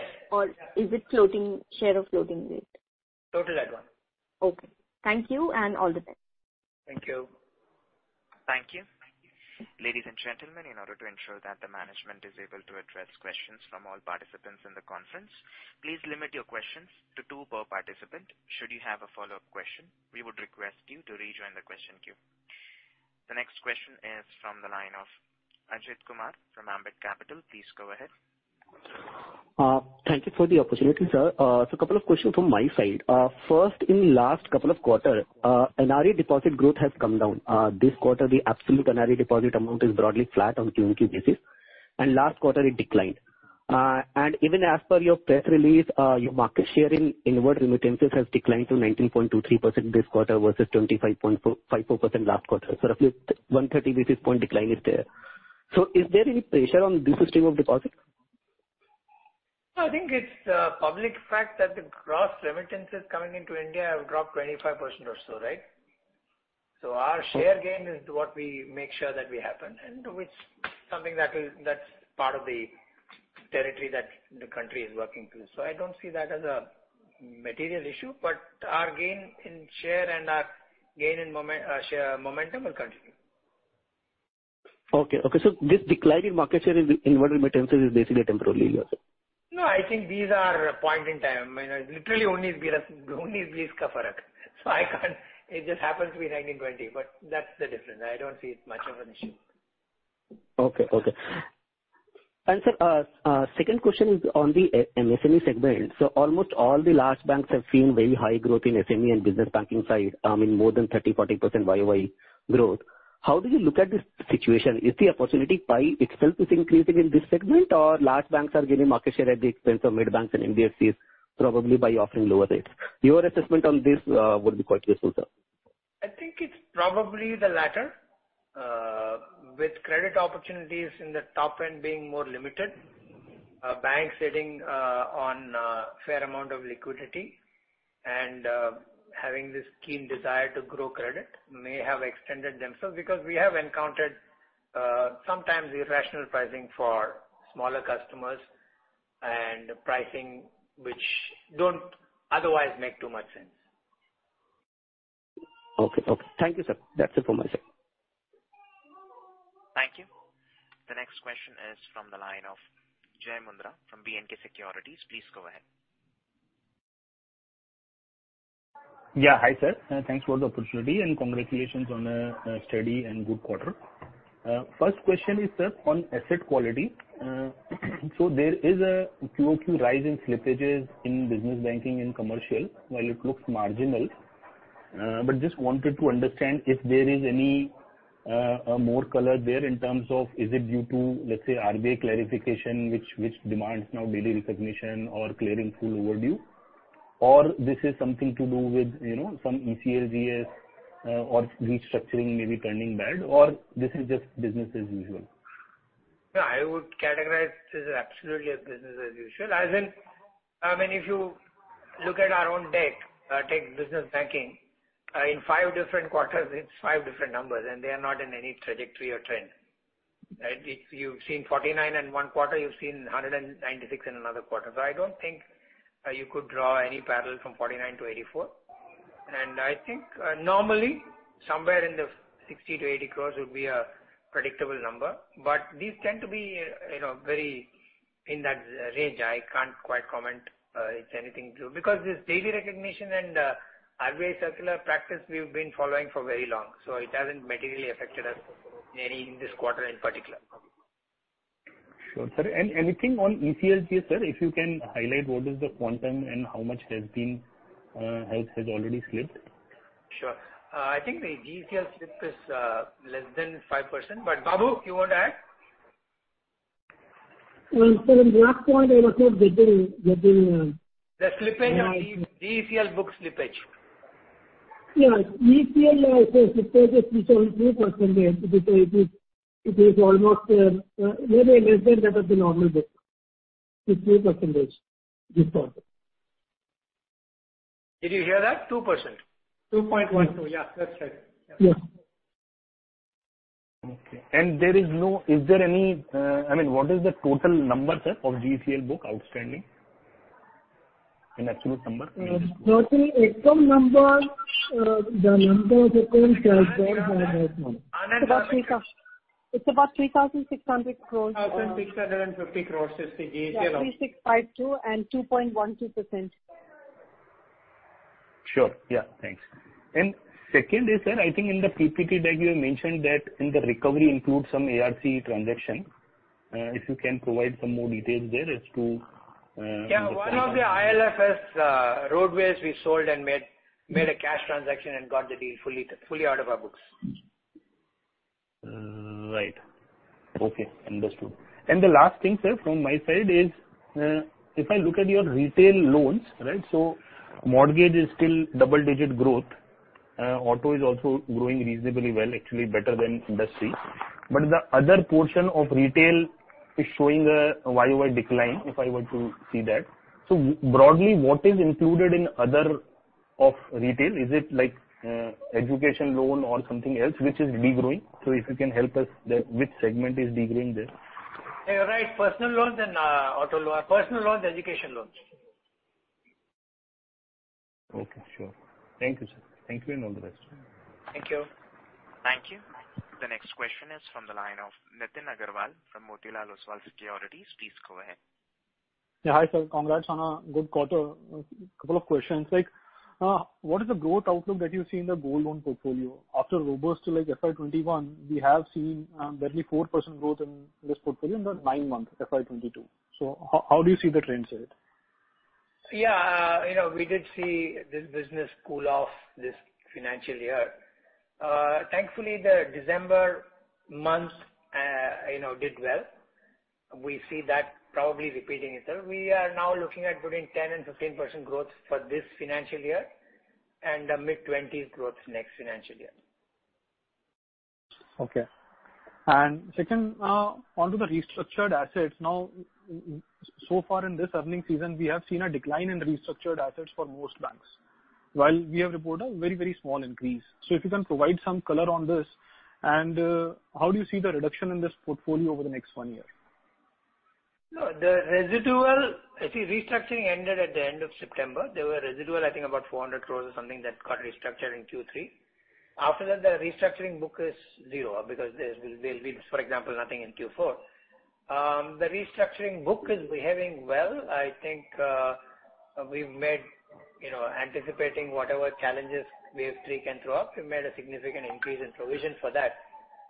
Is it floating, share of floating rate? Total advance. Okay. Thank you, and all the best. Thank you. Thank you. Ladies and gentlemen, in order to ensure that the management is able to address questions from all participants in the conference, please limit your questions to two per participant. Should you have a follow-up question, we would request you to rejoin the question queue. The next question is from the line of Ajit Kumar from Ambit Capital. Please go ahead. Thank you for the opportunity, sir. So a couple of questions from my side. First, in last couple of quarter, NRE deposit growth has come down. This quarter, the absolute NRE deposit amount is broadly flat on a QoQ basis, and last quarter it declined. Even as per your press release, your market share in inward remittances has declined to 19.23% this quarter versus 25.454% last quarter. Roughly thirty basis point decline is there. Is there any pressure on this stream of deposit? I think it's a public fact that the gross remittances coming into India have dropped 25% or so, right? Our share gain is what we make sure happens and which is something that will, that's part of the territory that the country is working through. I don't see that as a material issue, but our gain in share and our gain in share momentum will continue. This decline in market share in inward remittances is basically temporary. No, I think these are a point in time. I mean, literally only 15 basis points less, only 15 basis points ka farak. I can't see it. It just happens to be 19/20, but that's the difference. I don't see it much of an issue. Okay. Sir, second question is on the SME segment. Almost all the large banks have seen very high growth in SME and Business Banking side, in more than 30%-40% year-over-year growth. How do you look at this situation? Is the opportunity pie itself is increasing in this segment or large banks are gaining market share at the expense of mid-banks and NBFCs probably by offering lower rates? Your assessment on this would be quite useful, sir. I think it's probably the latter. With credit opportunities in the top end being more limited, banks sitting on fair amount of liquidity and having this keen desire to grow credit may have extended themselves. Because we have encountered sometimes irrational pricing for smaller customers and pricing which don't otherwise make too much sense. Okay. Thank you, sir. That's it from my side. Thank you. The next question is from the line of Jai Mundhra from B&K Securities. Please go ahead. Yeah. Hi, sir. Thanks for the opportunity and congratulations on a steady and good quarter. First question is, sir, on asset quality. So there is a QoQ rise in slippages in Business Banking and commercial while it looks marginal. But just wanted to understand if there is any more color there in terms of is it due to, let's say, RBI clarification which demands now daily recognition or clearing full overdue? Or this is something to do with, you know, some ECLGS or restructuring maybe turning bad or this is just business as usual. No, I would categorize this as absolutely business as usual. As in, I mean, if you look at our own data, take Business Banking, in five different quarters it's five different numbers, and they are not in any trajectory or trend, right? If you've seen 49 in one quarter, you've seen 196 in another quarter. I don't think you could draw any parallel from 49 to 84. I think normally somewhere in the 60-80 crores would be a predictable number. These tend to be, you know, very in that range. I can't quite comment it's anything to. Because this daily recognition and RBI circular practice we've been following for very long, so it hasn't materially affected us in any in this quarter in particular. Sure, sir. Anything on ECLGS, sir? If you can highlight what is the quantum and how much has already slipped. Sure. I think the ECLGS slip is less than 5%. Babu, you want to add? Well, sir, in that point I was saying that the. The slippage of the ECLGS book. Yeah. ECL, sir, slippage is 2.2% because it is almost maybe less than that of the normal book. It's 2% this quarter. Did you hear that? 2%. 2.12. Yeah. That's right. Yeah. Okay. Is there any, I mean, what is the total number, sir, of ECLGS book outstanding in absolute number? Total ECLGS number, the number is around 12.5 lakhs. 100,000. It's about 3,600 crores. 1,650 crores is the ECLGS amount. Yeah, 3,652 and 2.12%. Sure. Yeah. Thanks. Second is, sir, I think in the PPT deck you mentioned that in the recovery includes some ARC transaction. If you can provide some more details there as to the transaction. Yeah. One of the IL&FS roadways we sold and made a cash transaction and got the deal fully out of our books. Right. Okay. Understood. The last thing, sir, from my side is, if I look at your Retail loans, right? Mortgage is still double digit growth. Auto is also growing reasonably well, actually better than industry. The other portion of Retail is showing a year-over-year decline, if I were to see that. Broadly, what is included in other Retail? Is it like, education loan or something else which is degrowing? If you can help us tell which segment is degrowing there. You're right. Personal Loans and education loans. Okay. Sure. Thank you, sir. Thank you and all the best. Thank you. Thank you. The next question is from the line of Nitin Aggarwal from Motilal Oswal Securities. Please go ahead. Yeah. Hi, sir. Congrats on a good quarter. A couple of questions. Like, what is the growth outlook that you see in the gold loan portfolio? After robust like FY 2021, we have seen barely 4% growth in this portfolio in the nine months, FY 2022. How do you see the trends there? Yeah. You know, we did see this business cool off this financial year. Thankfully, the December month, you know, did well. We see that probably repeating itself. We are now looking at between 10% and 15% growth for this financial year and mid-20s growth next financial year. Okay. Second, onto the restructured assets. Now, so far in this earnings season, we have seen a decline in restructured assets for most banks, while we have reported a very, very small increase. If you can provide some color on this. How do you see the reduction in this portfolio over the next one year? No. The residual. You see, restructuring ended at the end of September. There were residual, I think about 400 crore or something that got restructured in Q3. After that, the restructuring book is zero because there'll be, for example, nothing in Q4. The restructuring book is behaving well. I think, you know, anticipating whatever challenges wave three can throw up, we've made a significant increase in provision for that.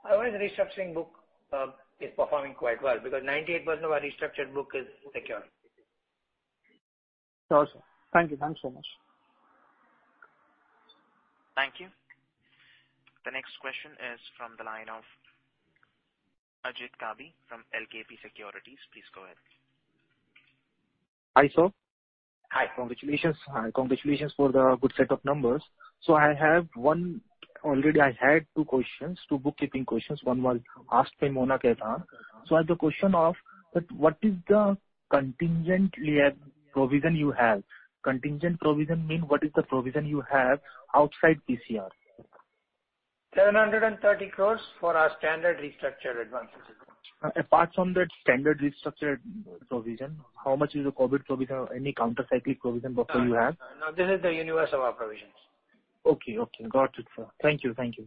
Otherwise, the restructuring book is performing quite well because 98% of our restructured book is secure. Awesome. Thank you. Thanks so much. Thank you. The next question is from the line of Ajit Kabi from LKP Securities. Please go ahead. Hi, sir. Hi. Congratulations. Congratulations for the good set of numbers. I have one. Already I had two questions, two bookkeeping questions. One was asked by Mona Khetan. I have the question of that what is the contingent liability provision you have? Contingent provision mean what is the provision you have outside PCR? 730 crores for our standard restructured advances. Apart from that standard restructured provision, how much is the COVID provision or any counter-cyclic provision buffer you have? No, no. This is the universe of our provisions. Okay. Got it, sir. Thank you. Thanks.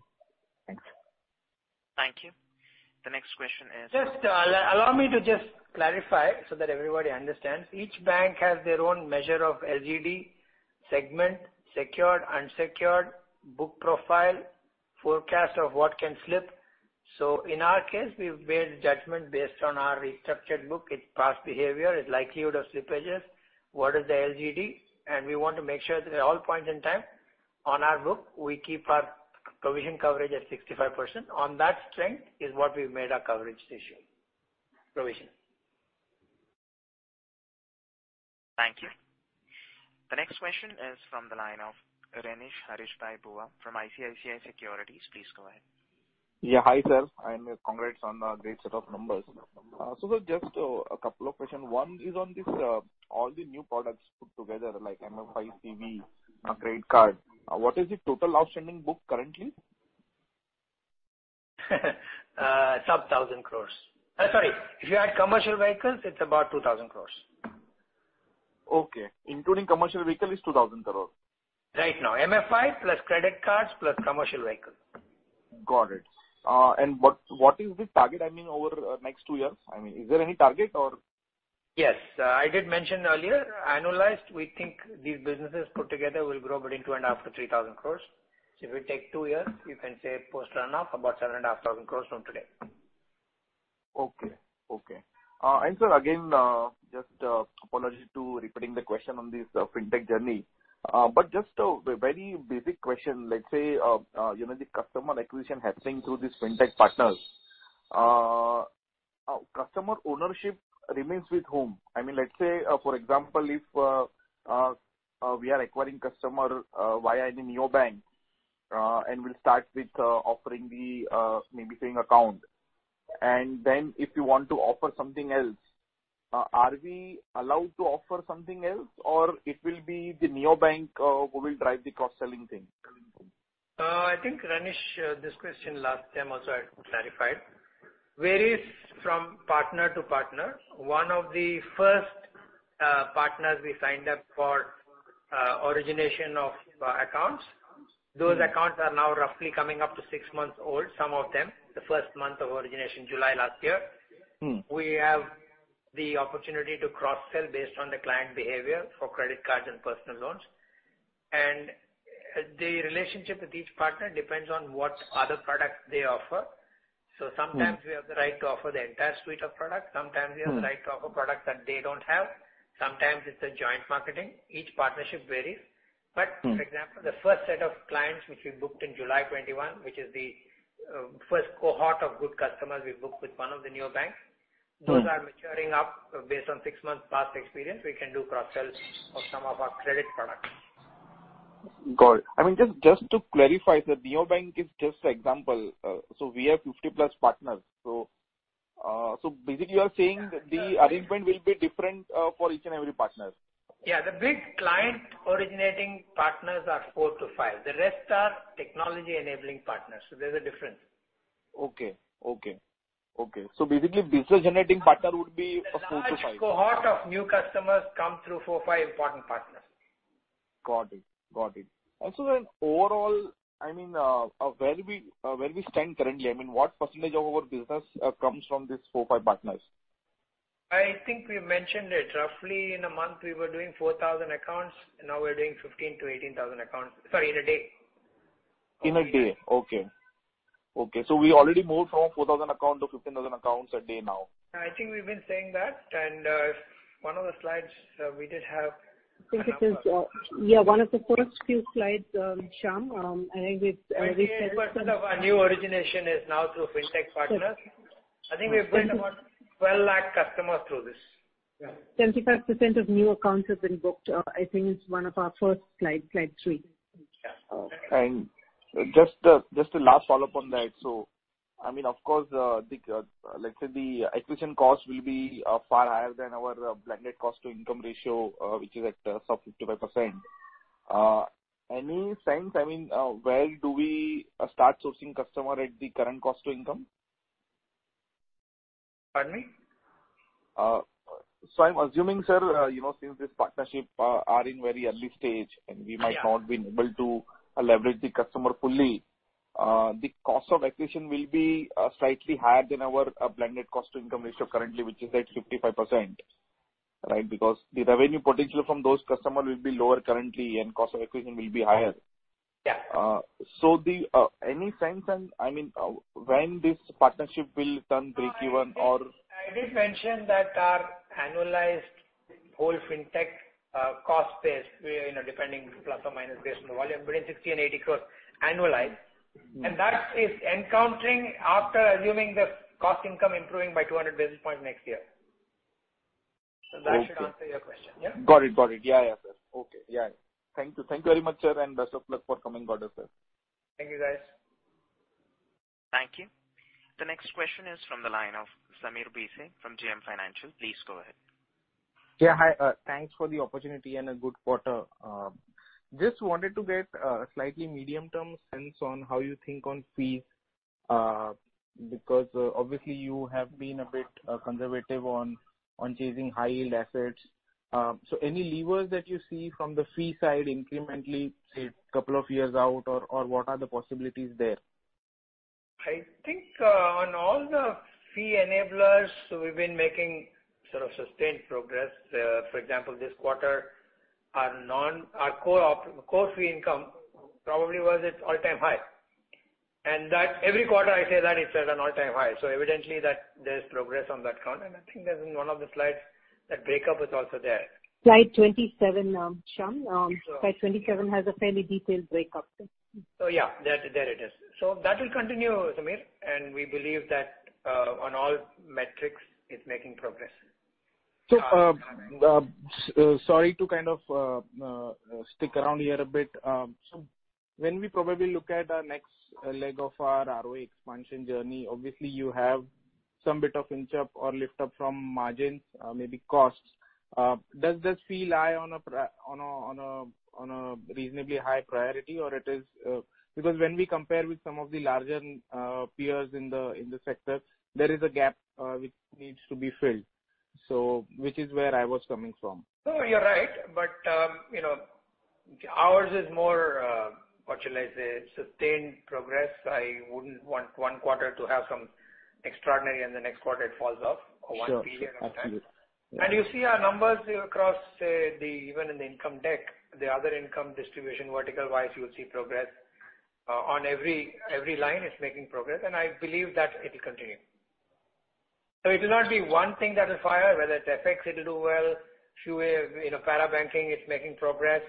Thank you. The next question is. Just allow me to just clarify so that everybody understands. Each bank has their own measure of LGD segment, secured, unsecured, book profile, forecast of what can flip. In our case, we've made judgment based on our restructured book, its past behavior, its likelihood of slippages, what is the LGD, and we want to make sure that at all points in time on our book, we keep our provision coverage at 65%. On that strength is what we've made our coverage decision. Provision. Thank you. The next question is from the line of Renish Bhuva from ICICI Securities. Please go ahead. Yeah, hi, sir, and congrats on a great set of numbers. Just a couple of questions. One is on this, all the new products put together, like MFI, CV, credit card, what is the total outstanding book currently? Sub-1,000 crore. Sorry. If you add Commercial Vehicles, it's about 2,000 crore. Okay. Including Commercial Vehicle is 2,000 crores. Right now. MFI plus credit cards plus Commercial Vehicles. Got it. What is the target, I mean, over next two years? I mean, is there any target or? Yes. I did mention earlier, annualized, we think these businesses put together will grow between 2,500 crore-3,000 crore. If we take 2 years, you can say post run-off, about 7,500 crore from today. Sir, again, just apology for repeating the question on this FinTech journey. But just a very basic question. Let's say, you know, the customer acquisition happening through these FinTech partners, customer ownership remains with whom? I mean, let's say, for example, if we are acquiring customer via the neobank, and we'll start with offering the maybe savings account. Then if you want to offer something else, are we allowed to offer something else, or it will be the neobank who will drive the cross-selling thing? I think, Renish, this question last time also I'd clarified. Varies from partner to partner. One of the first partners we signed up for origination of accounts, those accounts are now roughly coming up to six months old, some of them. The first month of origination, July last year. We have the opportunity to cross-sell based on the client behavior for credit cards and Personal Loans. The relationship with each partner depends on what other products they offer. Sometimes we have the right to offer the entire suite of products. Sometimes we have the right to offer products that they don't have. Sometimes it's a joint marketing. Each partnership varies. For example, the first set of clients which we booked in July 2021, which is the first cohort of good customers we booked with one of the neobanks. Those are maturing up based on six months past experience. We can do cross-sells of some of our credit products. Got it. I mean, just to clarify, sir, neobank is just an example. We have 50-plus partners. Basically you are saying the arrangement will be different for each and every partner. Yeah. The big client originating partners are 4-5. The rest are technology-enabling partners, so there's a difference. Okay. Basically business generating partner would be 4-5. The large cohort of new customers come through 4 or 5 important partners. Got it. Overall, I mean, where we stand currently, I mean, what percentage of our business comes from these four or five partners? I think we mentioned it. Roughly in a month we were doing 4,000 accounts. Now we're doing 15,000-18,000 accounts, sorry, in a day. In a day. Okay. We already moved from 4,000 accounts to 15,000 accounts a day now. I think we've been saying that. If one of the slides, we did have the numbers. I think it is, yeah, one of the first few slides, Shyam, I think it's recent. 28% of our new origination is now through FinTech partners. Yes. I think we've brought about 12 lakh customers through this. Yeah. 75% of new accounts have been booked. I think it's one of our first slide three. Yeah. Just a last follow-up on that. I mean, of course, let's say the acquisition cost will be far higher than our blended cost-to-income ratio, which is at sub-55%. Any sense, I mean, where do we start sourcing customers at the current cost-to-income? Pardon me? I'm assuming, sir, you know, since these partnerships are in very early stage. Yeah. we might not have been able to leverage the customer fully, the cost of acquisition will be slightly higher than our blended cost-to-income ratio currently, which is at 55%, right? Because the revenue potential from those customers will be lower currently and cost of acquisition will be higher. Yeah. Any sense on, I mean, when this partnership will turn breakeven or- No, I did mention that our annualized whole FinTech cost base, we're, you know, depending ± based on the volume, between 60 crore and 80 crore annualized. That is expected after assuming the cost-to-income improving by 200 basis points next year. Okay. That should answer your question, yeah? Got it. Yeah, sir. Okay. Yeah. Thank you very much, sir, and best of luck for coming quarter, sir. Thank you, guys. Thank you. The next question is from the line of Sameer Bhise from JM Financial. Please go ahead. Yeah, hi. Thanks for the opportunity and a good quarter. Just wanted to get a slightly medium-term sense on how you think on fees, because obviously you have been a bit conservative on chasing high-yield assets. So any levers that you see from the fee side incrementally, say, couple of years out, or what are the possibilities there? I think on all the fee enablers, we've been making sort of sustained progress. For example, this quarter, our core fee income probably was its all-time high. That every quarter I say that it's at an all-time high. Evidently that there's progress on that front. I think that's in one of the slides that breakup is also there. Slide 27, Shyam. Sure. Slide 27 has a fairly detailed breakdown. Yeah, there it is. That will continue, Sameer, and we believe that on all metrics it's making progress. Sorry to kind of stick around here a bit. When we probably look at our next leg of our ROE expansion journey, obviously you have some bit of inch up or lift up from margins, maybe costs. Does this fee lie on a reasonably high priority, or it is. Because when we compare with some of the larger peers in the sector, there is a gap which needs to be filled. Which is where I was coming from. No, you're right. You know, ours is more, what shall I say? Sustained progress. I wouldn't want one quarter to have some extraordinary and the next quarter it falls off. Sure. Absolutely. One period of time. Yeah. You see our numbers across, say, the even in the income deck, the other income distribution vertical-wise, you'll see progress. On every line it's making progress. I believe that it'll continue. It will not be one thing that will fire, whether it's FX, it'll do well. Few, you know, para banking, it's making progress.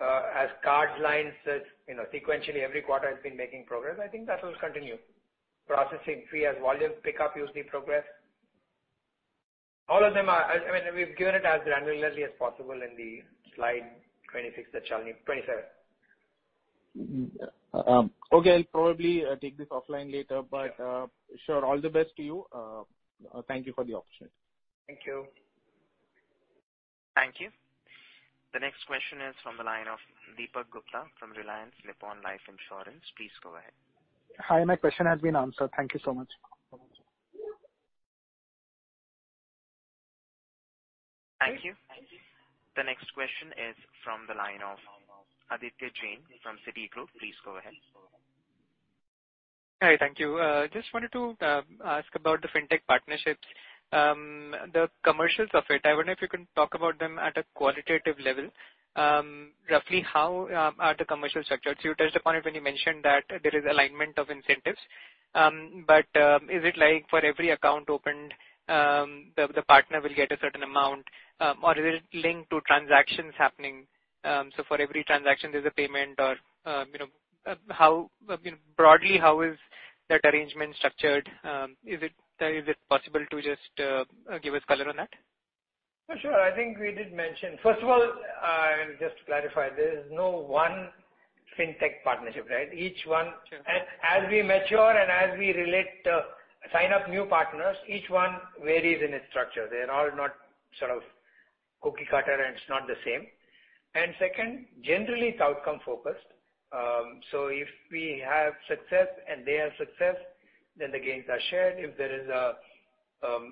As cards lines, as you know, sequentially every quarter has been making progress. I think that will continue. Processing fee as volume pick up, you'll see progress. All of them are. I mean, we've given it as granularly as possible in the slide 26 that Shalini 27. Okay. I'll probably take this offline later. Sure. Sure. All the best to you. Thank you for the opportunity. Thank you. Thank you. The next question is from the line of Deepak Gupta from Reliance Nippon Life Insurance. Please go ahead. Hi, my question has been answered. Thank you so much. Thank you. The next question is from the line of Aditya Jain from Citigroup. Please go ahead. Hi. Thank you. Just wanted to ask about the FinTech partnerships. The commercials of it, I wonder if you can talk about them at a qualitative level. Roughly how are the commercials structured? You touched upon it when you mentioned that there is alignment of incentives. But is it like for every account opened, the partner will get a certain amount, or is it linked to transactions happening? For every transaction there's a payment or, you know. How, you know, broadly, how is that arrangement structured? Is it possible to just give us color on that? For sure. I think we did mention. First of all, just to clarify, there is no one FinTech partnership, right? Each one- Sure. As we mature and as we relate, sign up new partners, each one varies in its structure. They're all not sort of cookie cutter, and it's not the same. Second, generally it's outcome focused. If we have success and they have success, then the gains are shared. If there is a,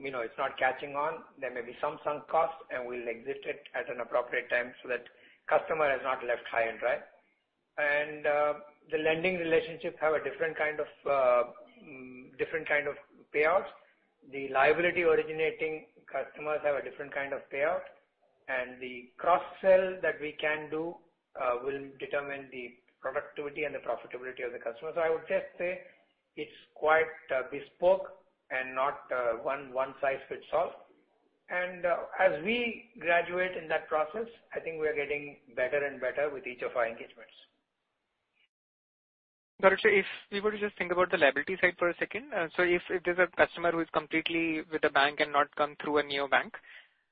you know, it's not catching on, there may be some sunk costs, and we'll exit it at an appropriate time so that customer has not left high and dry. The lending relationships have a different kind of payouts. The liability originating customers have a different kind of payout. The cross sell that we can do will determine the productivity and the profitability of the customer. I would just say it's quite bespoke and not one size fits all. As we graduate in that process, I think we are getting better and better with each of our engagements. Got it. If we were to just think about the liability side for a second. If there's a customer who is completely with the bank and not come through a neobank,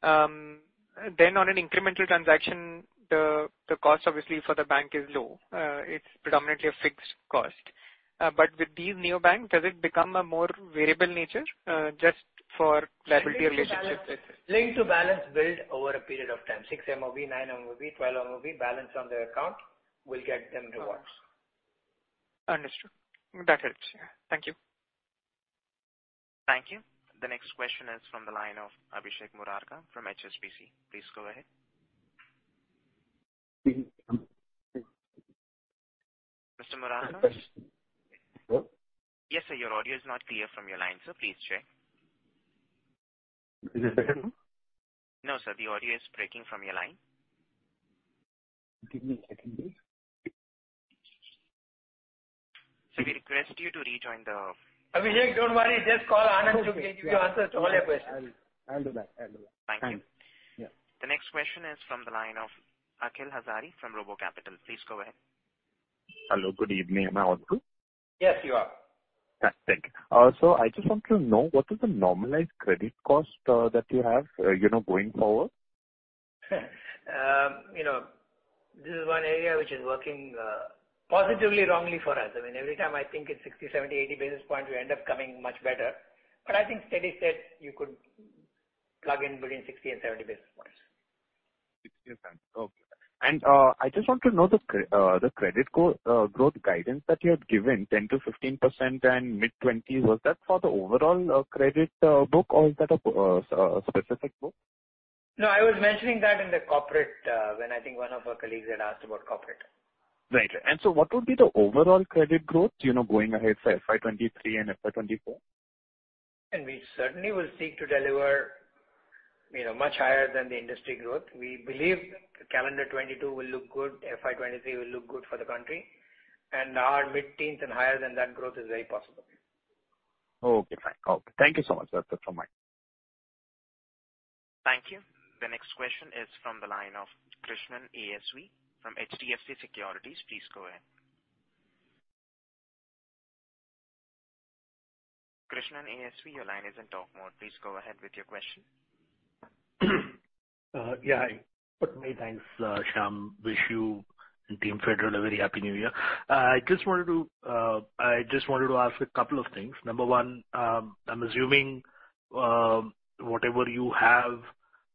then on an incremental transaction, the cost obviously for the bank is low. It's predominantly a fixed cost. With these neobanks, does it become a more variable nature, just for liability relationships? Linked to balance built over a period of time. 6 MOV, 9 MOV, 12 MOV balance on their account will get them rewards. Understood. That helps. Thank you. Thank you. The next question is from the line of Abhishek Murarka from HSBC. Please go ahead. Mr. Murarka? Hello? Yes, sir. Your audio is not clear from your line, sir. Please check. Is it better now? No, sir, the audio is breaking from your line. Give me a second, please. Sir, we request you to rejoin the- Abhishek, don't worry. Just call Anand. Okay. Yeah. He can answer all your questions. I'll do that. Thank you. Yeah. The next question is from the line of Akhil Hazari from RoboCapital. Please go ahead. Hello, good evening. Am I audible? Yes, you are. Thank you. I just want to know what is the normalized credit cost that you have, you know, going forward? You know, this is one area which is working, positively wrongly for us. I mean, every time I think it's 60, 70, 80 basis point, we end up coming much better. I think steady state you could plug in between 60 and 70 basis points. Yes, sir. Okay. I just want to know the credit growth guidance that you had given, 10%-15% and mid-20s%. Was that for the overall credit book or is that a specific book? No, I was mentioning that in the Corporate, when I think one of our colleagues had asked about Corporate. Right. What would be the overall credit growth, you know, going ahead for FY 2023 and FY 2024? We certainly will seek to deliver, you know, much higher than the industry growth. We believe calendar 2022 will look good. FY 2023 will look good for the country and our mid-teens and higher than that growth is very possible. Okay, fine. Okay. Thank you so much, sir. That's all mine. Thank you. The next question is from the line of Krishnan ASV from HDFC Securities. Please go ahead. Krishnan ASV, your line is in talk mode. Please go ahead with your question. Good morning. Thanks, Shyam. Wish you and Team Federal a very happy new year. I just wanted to ask a couple of things. Number 1, I'm assuming whatever you have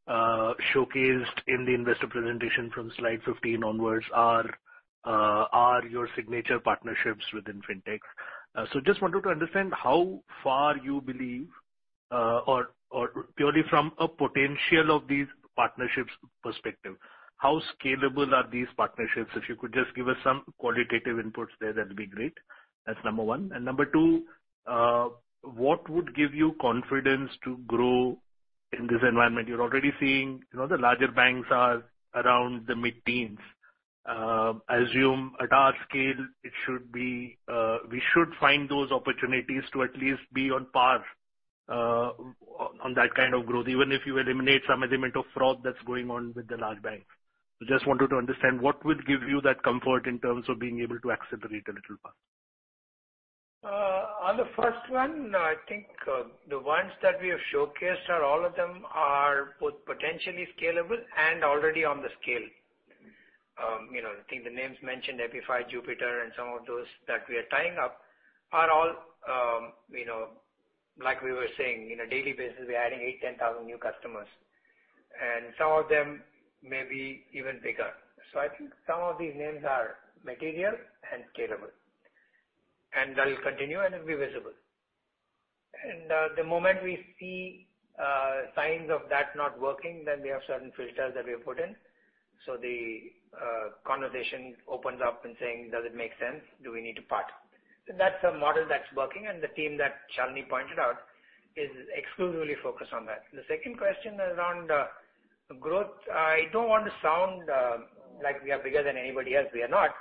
showcased in the investor presentation from slide 15 onwards are your signature partnerships within FinTech. So just wanted to understand how far you believe or purely from a potential of these partnerships perspective, how scalable are these partnerships? If you could just give us some qualitative inputs there, that'd be great. That's number 1. Number 2, what would give you confidence to grow in this environment? You're already seeing, you know, the larger banks are around the mid-teens. I assume at our scale it should be, we should find those opportunities to at least be on par, on that kind of growth, even if you eliminate some element of fraud that's going on with the large banks. Just wanted to understand what would give you that comfort in terms of being able to accelerate a little fast. On the first one, I think the ones that we have showcased are all of them are both potentially scalable and already on the scale. You know, I think the names mentioned, FI, Jupiter and some of those that we are tying up are all, you know, like we were saying, on a daily basis we're adding 8-10 thousand new customers, and some of them may be even bigger. I think some of these names are material and scalable, and that'll continue and it'll be visible. The moment we see signs of that not working, then we have certain filters that we have put in. The conversation opens up in saying, "Does it make sense? Do we need to part?" That's a model that's working, and the team that Shalini pointed out is exclusively focused on that. The second question is around growth. I don't want to sound like we are bigger than anybody else. We are not.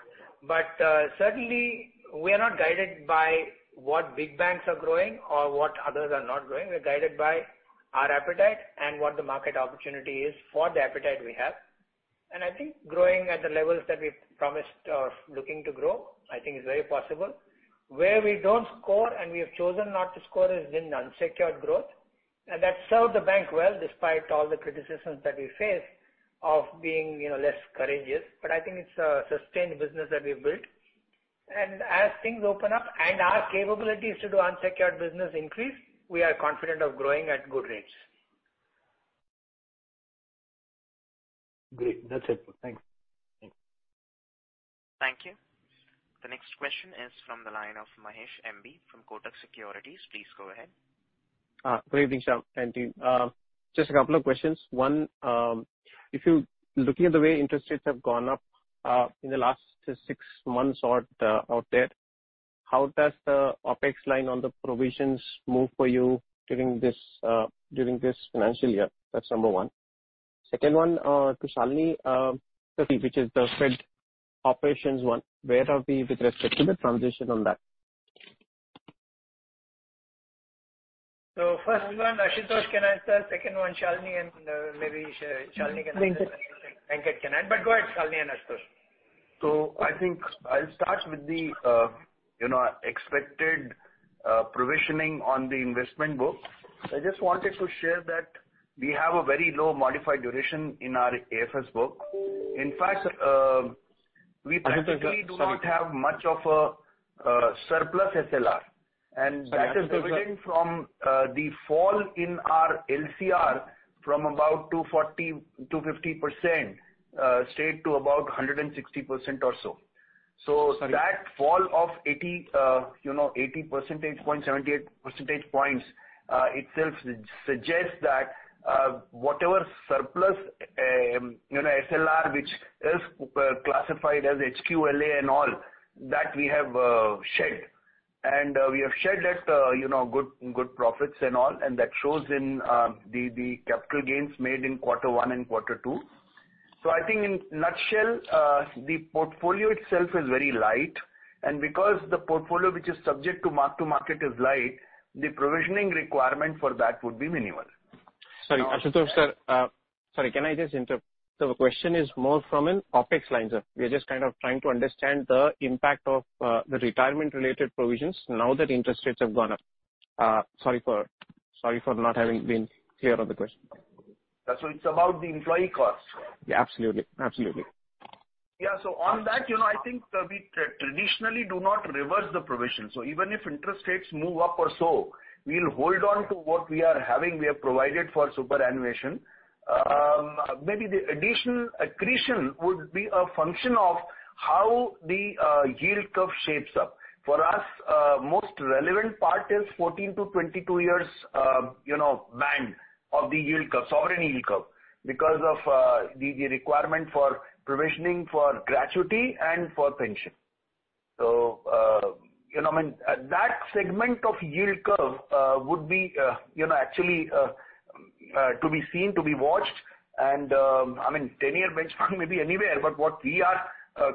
Certainly we are not guided by what big banks are growing or what others are not growing. We're guided by our appetite and what the market opportunity is for the appetite we have. I think growing at the levels that we've promised or looking to grow, I think is very possible. Where we don't score and we have chosen not to score has been unsecured growth. That served the bank well despite all the criticisms that we faced of being, you know, less courageous. I think it's a sustained business that we've built. As things open up and our capabilities to do unsecured business increase, we are confident of growing at good rates. Great. That's it. Thanks. Thank you. The next question is from the line of M. B. Mahesh from Kotak Securities. Please go ahead. Good evening, Shyam, and team. Just a couple of questions. One, if you're looking at the way interest rates have gone up in the last six months or out there, how does the OpEx line on the provisions move for you during this financial year? That's number one. Second one, to Shalini, which is the Fed operations one. Where are we with respect to the transition on that? First one, Ashutosh can answer. Second one, Shalini and maybe Shalini can answer. Venkat. Venkat can add. Go ahead, Shalini and Ashutosh. I think I'll start with the you know expected provisioning on the investment book. I just wanted to share that we have a very low modified duration in our AFS book. In fact, we practically Ashutosh, sorry. Do not have much of a surplus SLR. Sorry, Ashutosh, sir. That is resulting from the fall in our LCR from about 240%-250%, straight to about 160% or so. Sorry. That fall of 80, you know, 80 percentage point, 78 percentage points itself suggests that whatever surplus, you know, SLR, which is classified as HQLA and all, that we have shed. We have shed at you know good profits and all, and that shows in the capital gains made in quarter one and quarter two. I think in nutshell the portfolio itself is very light. Because the portfolio which is subject to mark-to-market is light, the provisioning requirement for that would be minimal. Sorry, Ashutosh, sir. Sorry, can I just interrupt? The question is more from an OpEx line, sir. We're just kind of trying to understand the impact of the retirement-related provisions now that interest rates have gone up. Sorry for not having been clear on the question. That's why it's about the employee costs. Yeah, absolutely. Absolutely. On that, you know, I think, we traditionally do not reverse the provision. Even if interest rates move up or so, we'll hold on to what we are having, we have provided for superannuation. Maybe the additional accretion would be a function of how the yield curve shapes up. For us, most relevant part is 14-22 years, you know, band of the yield curve, sovereign yield curve, because of the requirement for provisioning for gratuity and for pension. You know, I mean, that segment of yield curve would be, you know, actually, to be seen, to be watched and, I mean, 10-year benchmark may be anywhere, but what we are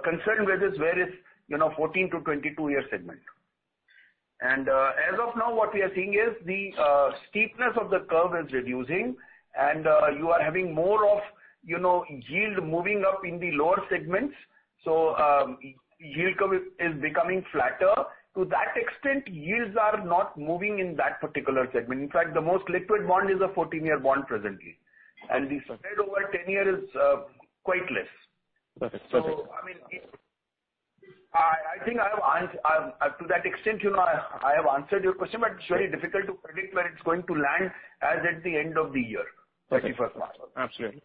concerned with is where is, you know, 14-22 year segment. As of now, what we are seeing is the steepness of the curve is reducing and you are having more of, you know, yield moving up in the lower segments. Yield curve is becoming flatter. To that extent, yields are not moving in that particular segment. In fact, the most liquid bond is a 14-year bond presently, and the spread over 10-year is quite less. Perfect. I mean, I think I have answered. To that extent, you know, I have answered your question, but it's very difficult to predict where it's going to land as at the end of the year. Okay. 31 March. Absolutely.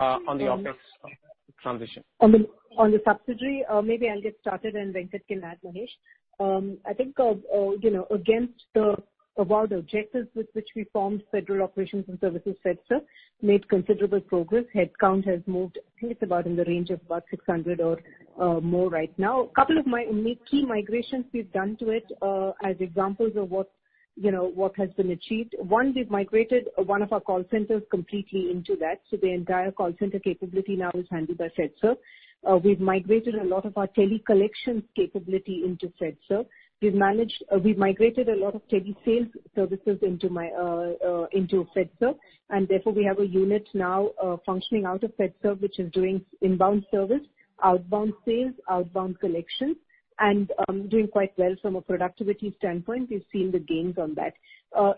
On the OpEx transition. On the subsidiary, maybe I'll get started and Venkat can add, Mahesh. I think you know against the objectives with which we formed Federal Operations and Services FedServ made considerable progress. Headcount has moved. I think it's in the range of about 600 or more right now. Couple of key migrations we've done to it as examples of what you know what has been achieved. One, we've migrated one of our call centers completely into that. The entire call center capability now is handled by FedServ. We've migrated a lot of our tele collection capability into FedServ. We've managed... We've migrated a lot of tele sales services into FedServ, and therefore, we have a unit now functioning out of FedServ, which is doing inbound service, outbound sales, outbound collection, and doing quite well from a productivity standpoint. We've seen the gains on that.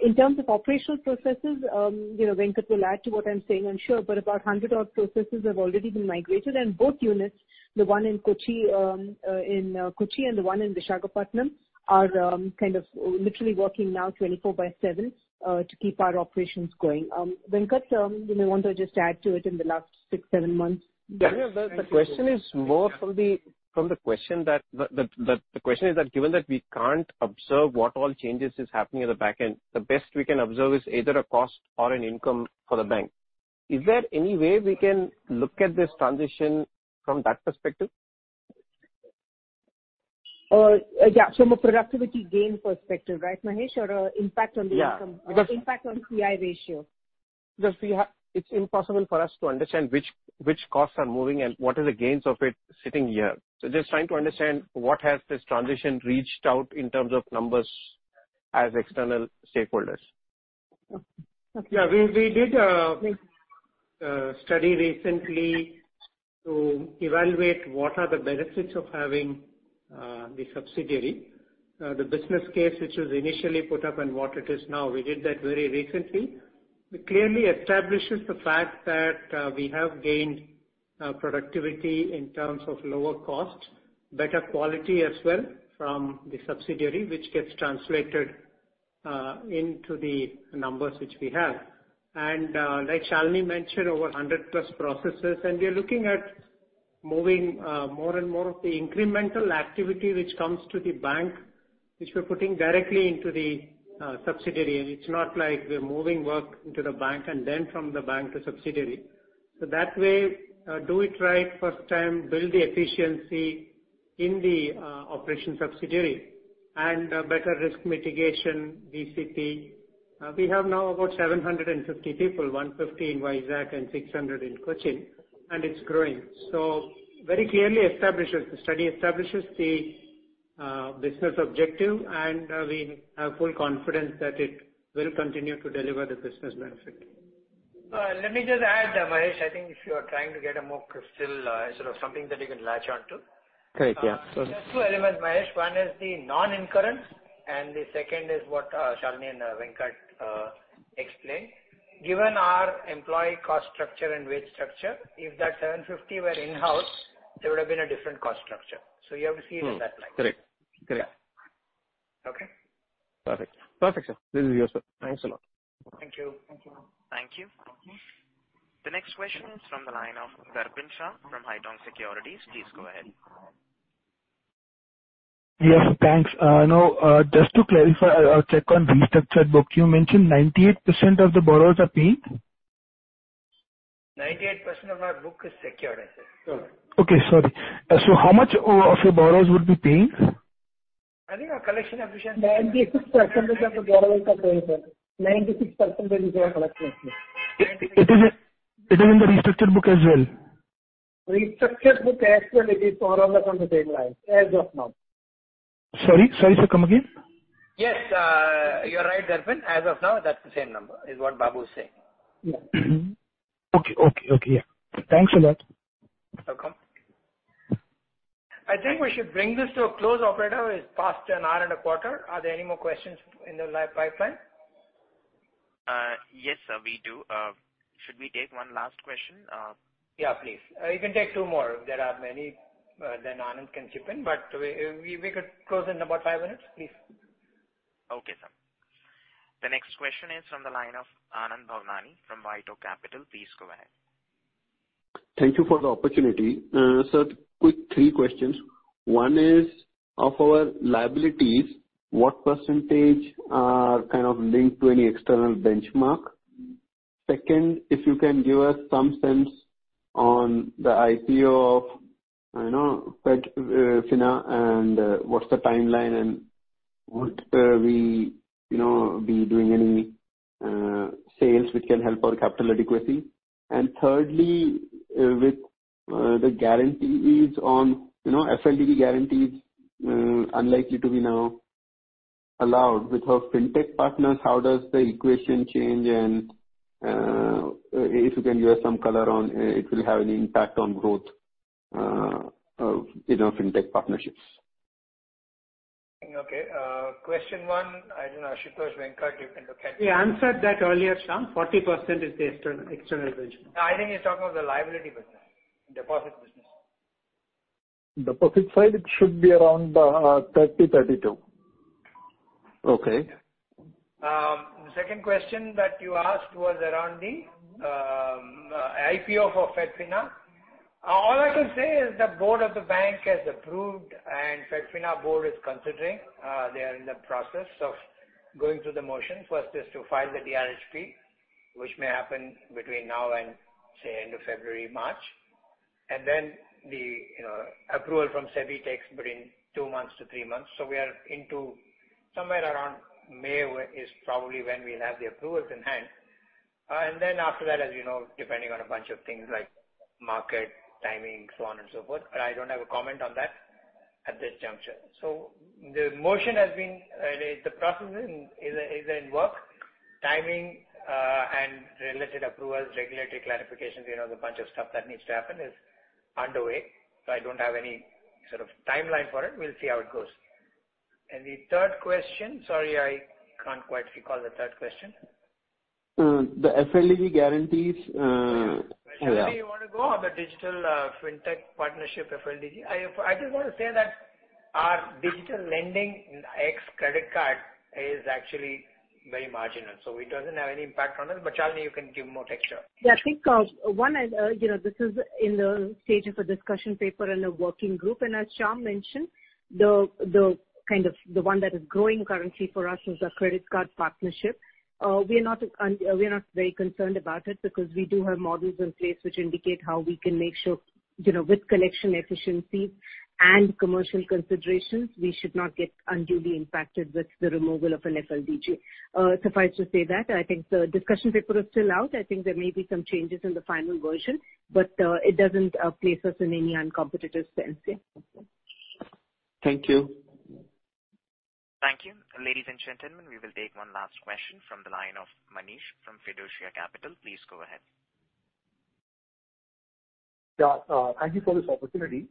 In terms of operational processes, you know, Venkat will add to what I'm saying, I'm sure, but about 100 odd processes have already been migrated. Both units, the one in Kochi and the one in Visakhapatnam, are kind of literally working now 24/7 to keep our operations going. Venkat, you may want to just add to it in the last six, seven months. Yeah. The question is that given that we can't observe what all changes is happening at the back end, the best we can observe is either a cost or an income for the bank. Is there any way we can look at this transition from that perspective? Yeah, from a productivity gain perspective, right, Mahesh, or impact on the income. Yeah. Impact on CI ratio. It's impossible for us to understand which costs are moving and what are the gains of it sitting here. Just trying to understand what has this transition reached out in terms of numbers as external stakeholders. Okay. Yeah. We did study recently to evaluate what are the benefits of having the subsidiary. The business case which was initially put up and what it is now, we did that very recently. It clearly establishes the fact that we have gained productivity in terms of lower costs, better quality as well from the subsidiary which gets translated into the numbers which we have. Like Shalini mentioned, over 100+ processes, and we are looking at moving more and more of the incremental activity which comes to the bank, which we're putting directly into the subsidiary. It's not like we're moving work into the bank and then from the bank to subsidiary. That way, do it right first time, build the efficiency in the operations subsidiary and better risk mitigation, BCP. We have now about 750 people, 150 in Vizag and 600 in Kochi, and it's growing. Very clearly, the study establishes the business objective, and we have full confidence that it will continue to deliver the business benefit. Let me just add, Mahesh, I think if you are trying to get a more crystal, sort of something that you can latch on to. Correct. Yeah. There are two elements, Mahesh. One is the non-incurrence, and the second is what Shalini and Venkat explained. Given our employee cost structure and wage structure, if that 750 were in-house, there would have been a different cost structure. You have to see it in that light. Correct. Yeah. Okay? Perfect. Perfect, sir. This is yours, sir. Thanks a lot. Thank you. Thank you. Thank you. The next question is from the line of Darpin Shah from Haitong Securities. Please go ahead. Yes, thanks. Now, just to clarify, I'll check on restructured book. You mentioned 98% of the borrowers are paying? 98% of our book is secured, I think. Okay. Sorry. How much of your borrowers would be paying? I think our collection efficiency. 96% of the borrowers are paying, sir. 96% of the collection. It is in the restructured book as well? Restructured book, actually, it is more or less on the same line as of now. Sorry, sir. Come again. Yes, you're right, Darpin. As of now, that's the same number, is what Babu is saying. Yeah. Okay. Yeah. Thanks a lot. Welcome. I think we should bring this to a close, operator. It's past an hour and a quarter. Are there any more questions in the live pipeline? Yes, sir, we do. Should we take one last question? Yeah, please. You can take 2 more. If there are many, then Anand can chip in, but we could close in about 5 minutes, please. Okay, sir. The next question is from the line of Anand Bhavnani from White Oak Capital. Please go ahead. Thank you for the opportunity. Quick three questions. One is of our liabilities, what percentage are kind of linked to any external benchmark? Second, if you can give us some sense on the IPO of, you know, Fedfina and, what's the timeline, and would we, you know, be doing any, sales which can help our capital adequacy. Thirdly, with the guarantees on, you know, FLDG guarantees, unlikely to be now allowed. With our FinTech partners, how does the equation change and, if you can give us some color on it will have any impact on growth, of, you know, FinTech partnerships. Okay. Question one, I don't know. Ashutosh, Venkat, you can look at it. We answered that earlier, Shyam. 40% is the external benchmark. I think he's talking about the liability business, deposit business. Deposit side, it should be around 30-32. Okay. The second question that you asked was around the IPO for Fedfina. All I can say is the board of the bank has approved and Fedfina board is considering. They are in the process of going through the motions. First is to file the DRHP, which may happen between now and, say, end of February, March. Then the, you know, approval from SEBI takes between two months to three months. We are into somewhere around May is probably when we'll have the approvals in hand. Then after that, as you know, depending on a bunch of things like market, timing, so on and so forth. I don't have a comment on that at this juncture. The motion has been, the process is in work. Timing, and related approvals, regulatory clarifications, you know, the bunch of stuff that needs to happen is underway. I don't have any sort of timeline for it. We'll see how it goes. The third question, sorry, I can't quite recall the third question. The FLDG guarantees. Which way you wanna go? On the digital, FinTech partnership FLDG. I just wanna say that our digital lending ex credit card is actually very marginal, so it doesn't have any impact on us. Shalini, you can give more texture. Yeah, I think one, you know, this is in the stage of a discussion paper and a working group. As Shyam mentioned, the kind of one that is growing currently for us is the credit card partnership. We are not very concerned about it because we do have models in place which indicate how we can make sure, you know, with collection efficiency and commercial considerations, we should not get unduly impacted with the removal of an FLDG. Suffice to say that I think the discussion paper is still out. I think there may be some changes in the final version, but it doesn't place us in any uncompetitive sense. Yeah. Thank you. Thank you. Ladies and gentlemen, we will take one last question from the line of Manish from Fiducia Capital. Please go ahead. Thank you for this opportunity.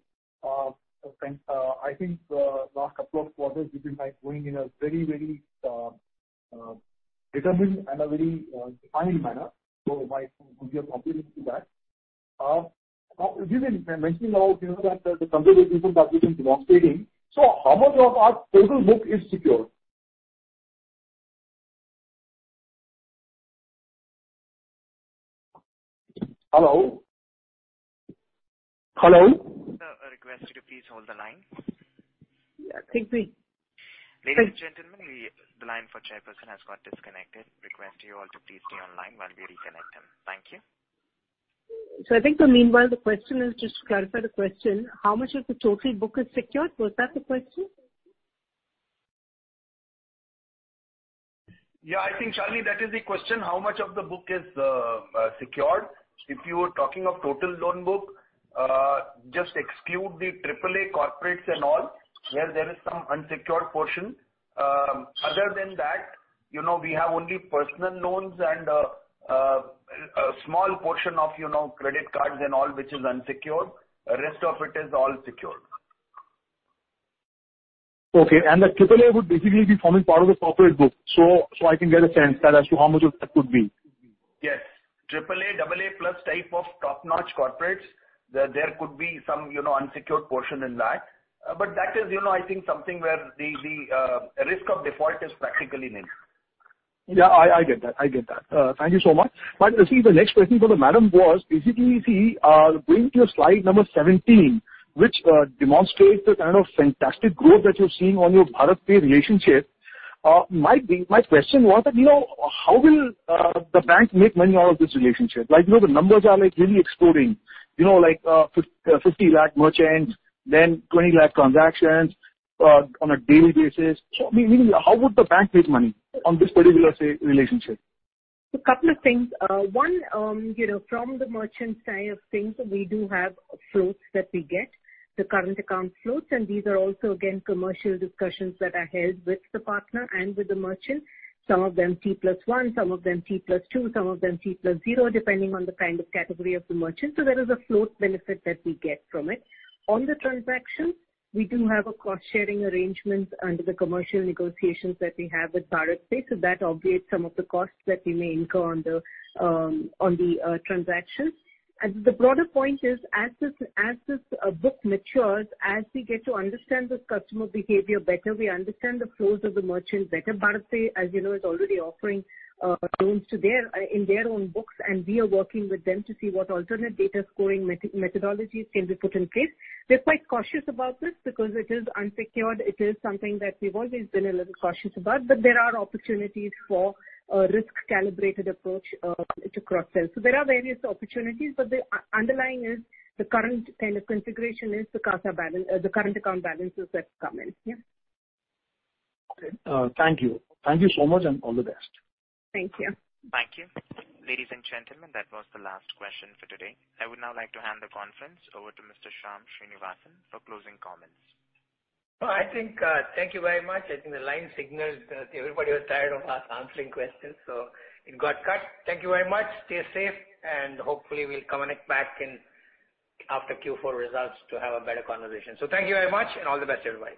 I think last couple of quarters you've been, like, going in a very determined and a very defined manner. Kudos to that. You've been mentioning about, you know, the conservative book that you've been demonstrating. How much of our total book is secured? Hello? Hello? Sir, I request you to please hold the line. Yeah, I think we. Ladies and gentlemen, the line for chairperson has got disconnected. Request you all to please stay online while we reconnect him. Thank you. I think in the meanwhile the question is just to clarify the question, how much of the total book is secured? Was that the question? Yeah. I think, Shalini, that is the question, how much of the book is secured. If you were talking of total loan book, just exclude the AAA Corporates and all, where there is some unsecured portion. Other than that, you know, we have only Personal Loans and a small portion of, you know, credit cards and all which is unsecured. Rest of it is all secured. Okay. The AAA would basically be forming part of the Corporate book. I can get a sense as to how much of that could be. Yes. AAA, AA+ type of top-notch Corporates, there could be some, you know, unsecured portion in that. That is, you know, I think something where the risk of default is practically nil. Yeah, I get that. Thank you so much. You see, the next question from the madam was basically, see, going to your slide number 17, which demonstrates the kind of fantastic growth that you're seeing on your BharatPe relationship. My question was that, you know, how will the bank make money out of this relationship? Like, you know, the numbers are, like, really exploding. You know, like, 50 lakh merchants, then 20 lakh transactions on a daily basis. Meaning how would the bank make money on this particular, say, relationship? Couple of things. One, you know, from the merchant side of things, we do have floats that we get, the current account floats, and these are also again, commercial discussions that are held with the partner and with the merchant. Some of them T plus one, some of them T plus two, some of them T plus zero, depending on the kind of category of the merchant. There is a float benefit that we get from it. On the transaction, we do have a cost-sharing arrangement under the commercial negotiations that we have with BharatPe, so that obviates some of the costs that we may incur on the transaction. The broader point is as this book matures, as we get to understand this customer behavior better, we understand the flows of the merchant better. BharatPe, as you know, is already offering loans to their in their own books, and we are working with them to see what alternate data scoring methodologies can be put in place. We're quite cautious about this because it is unsecured. It is something that we've always been a little cautious about, but there are opportunities for a risk-calibrated approach to cross-sell. There are various opportunities, but the underlying is the current kind of configuration is the CASA balance, the current account balances that come in. Yeah. Okay. Thank you. Thank you so much, and all the best. Thank you. Thank you. Ladies and gentlemen, that was the last question for today. I would now like to hand the conference over to Mr. Shyam Srinivasan for closing comments. No, I think, thank you very much. I think the line signals that everybody was tired of us answering questions, so it got cut. Thank you very much. Stay safe, and hopefully we'll connect back in after Q4 results to have a better conversation. Thank you very much and all the best, everybody.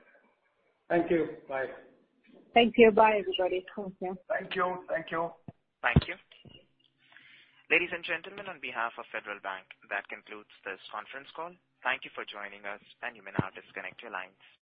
Thank you. Bye. Thank you. Bye, everybody. Thank you. Thank you. Thank you. Thank you. Ladies and gentlemen, on behalf of Federal Bank, that concludes this conference call. Thank you for joining us, and you may now disconnect your lines.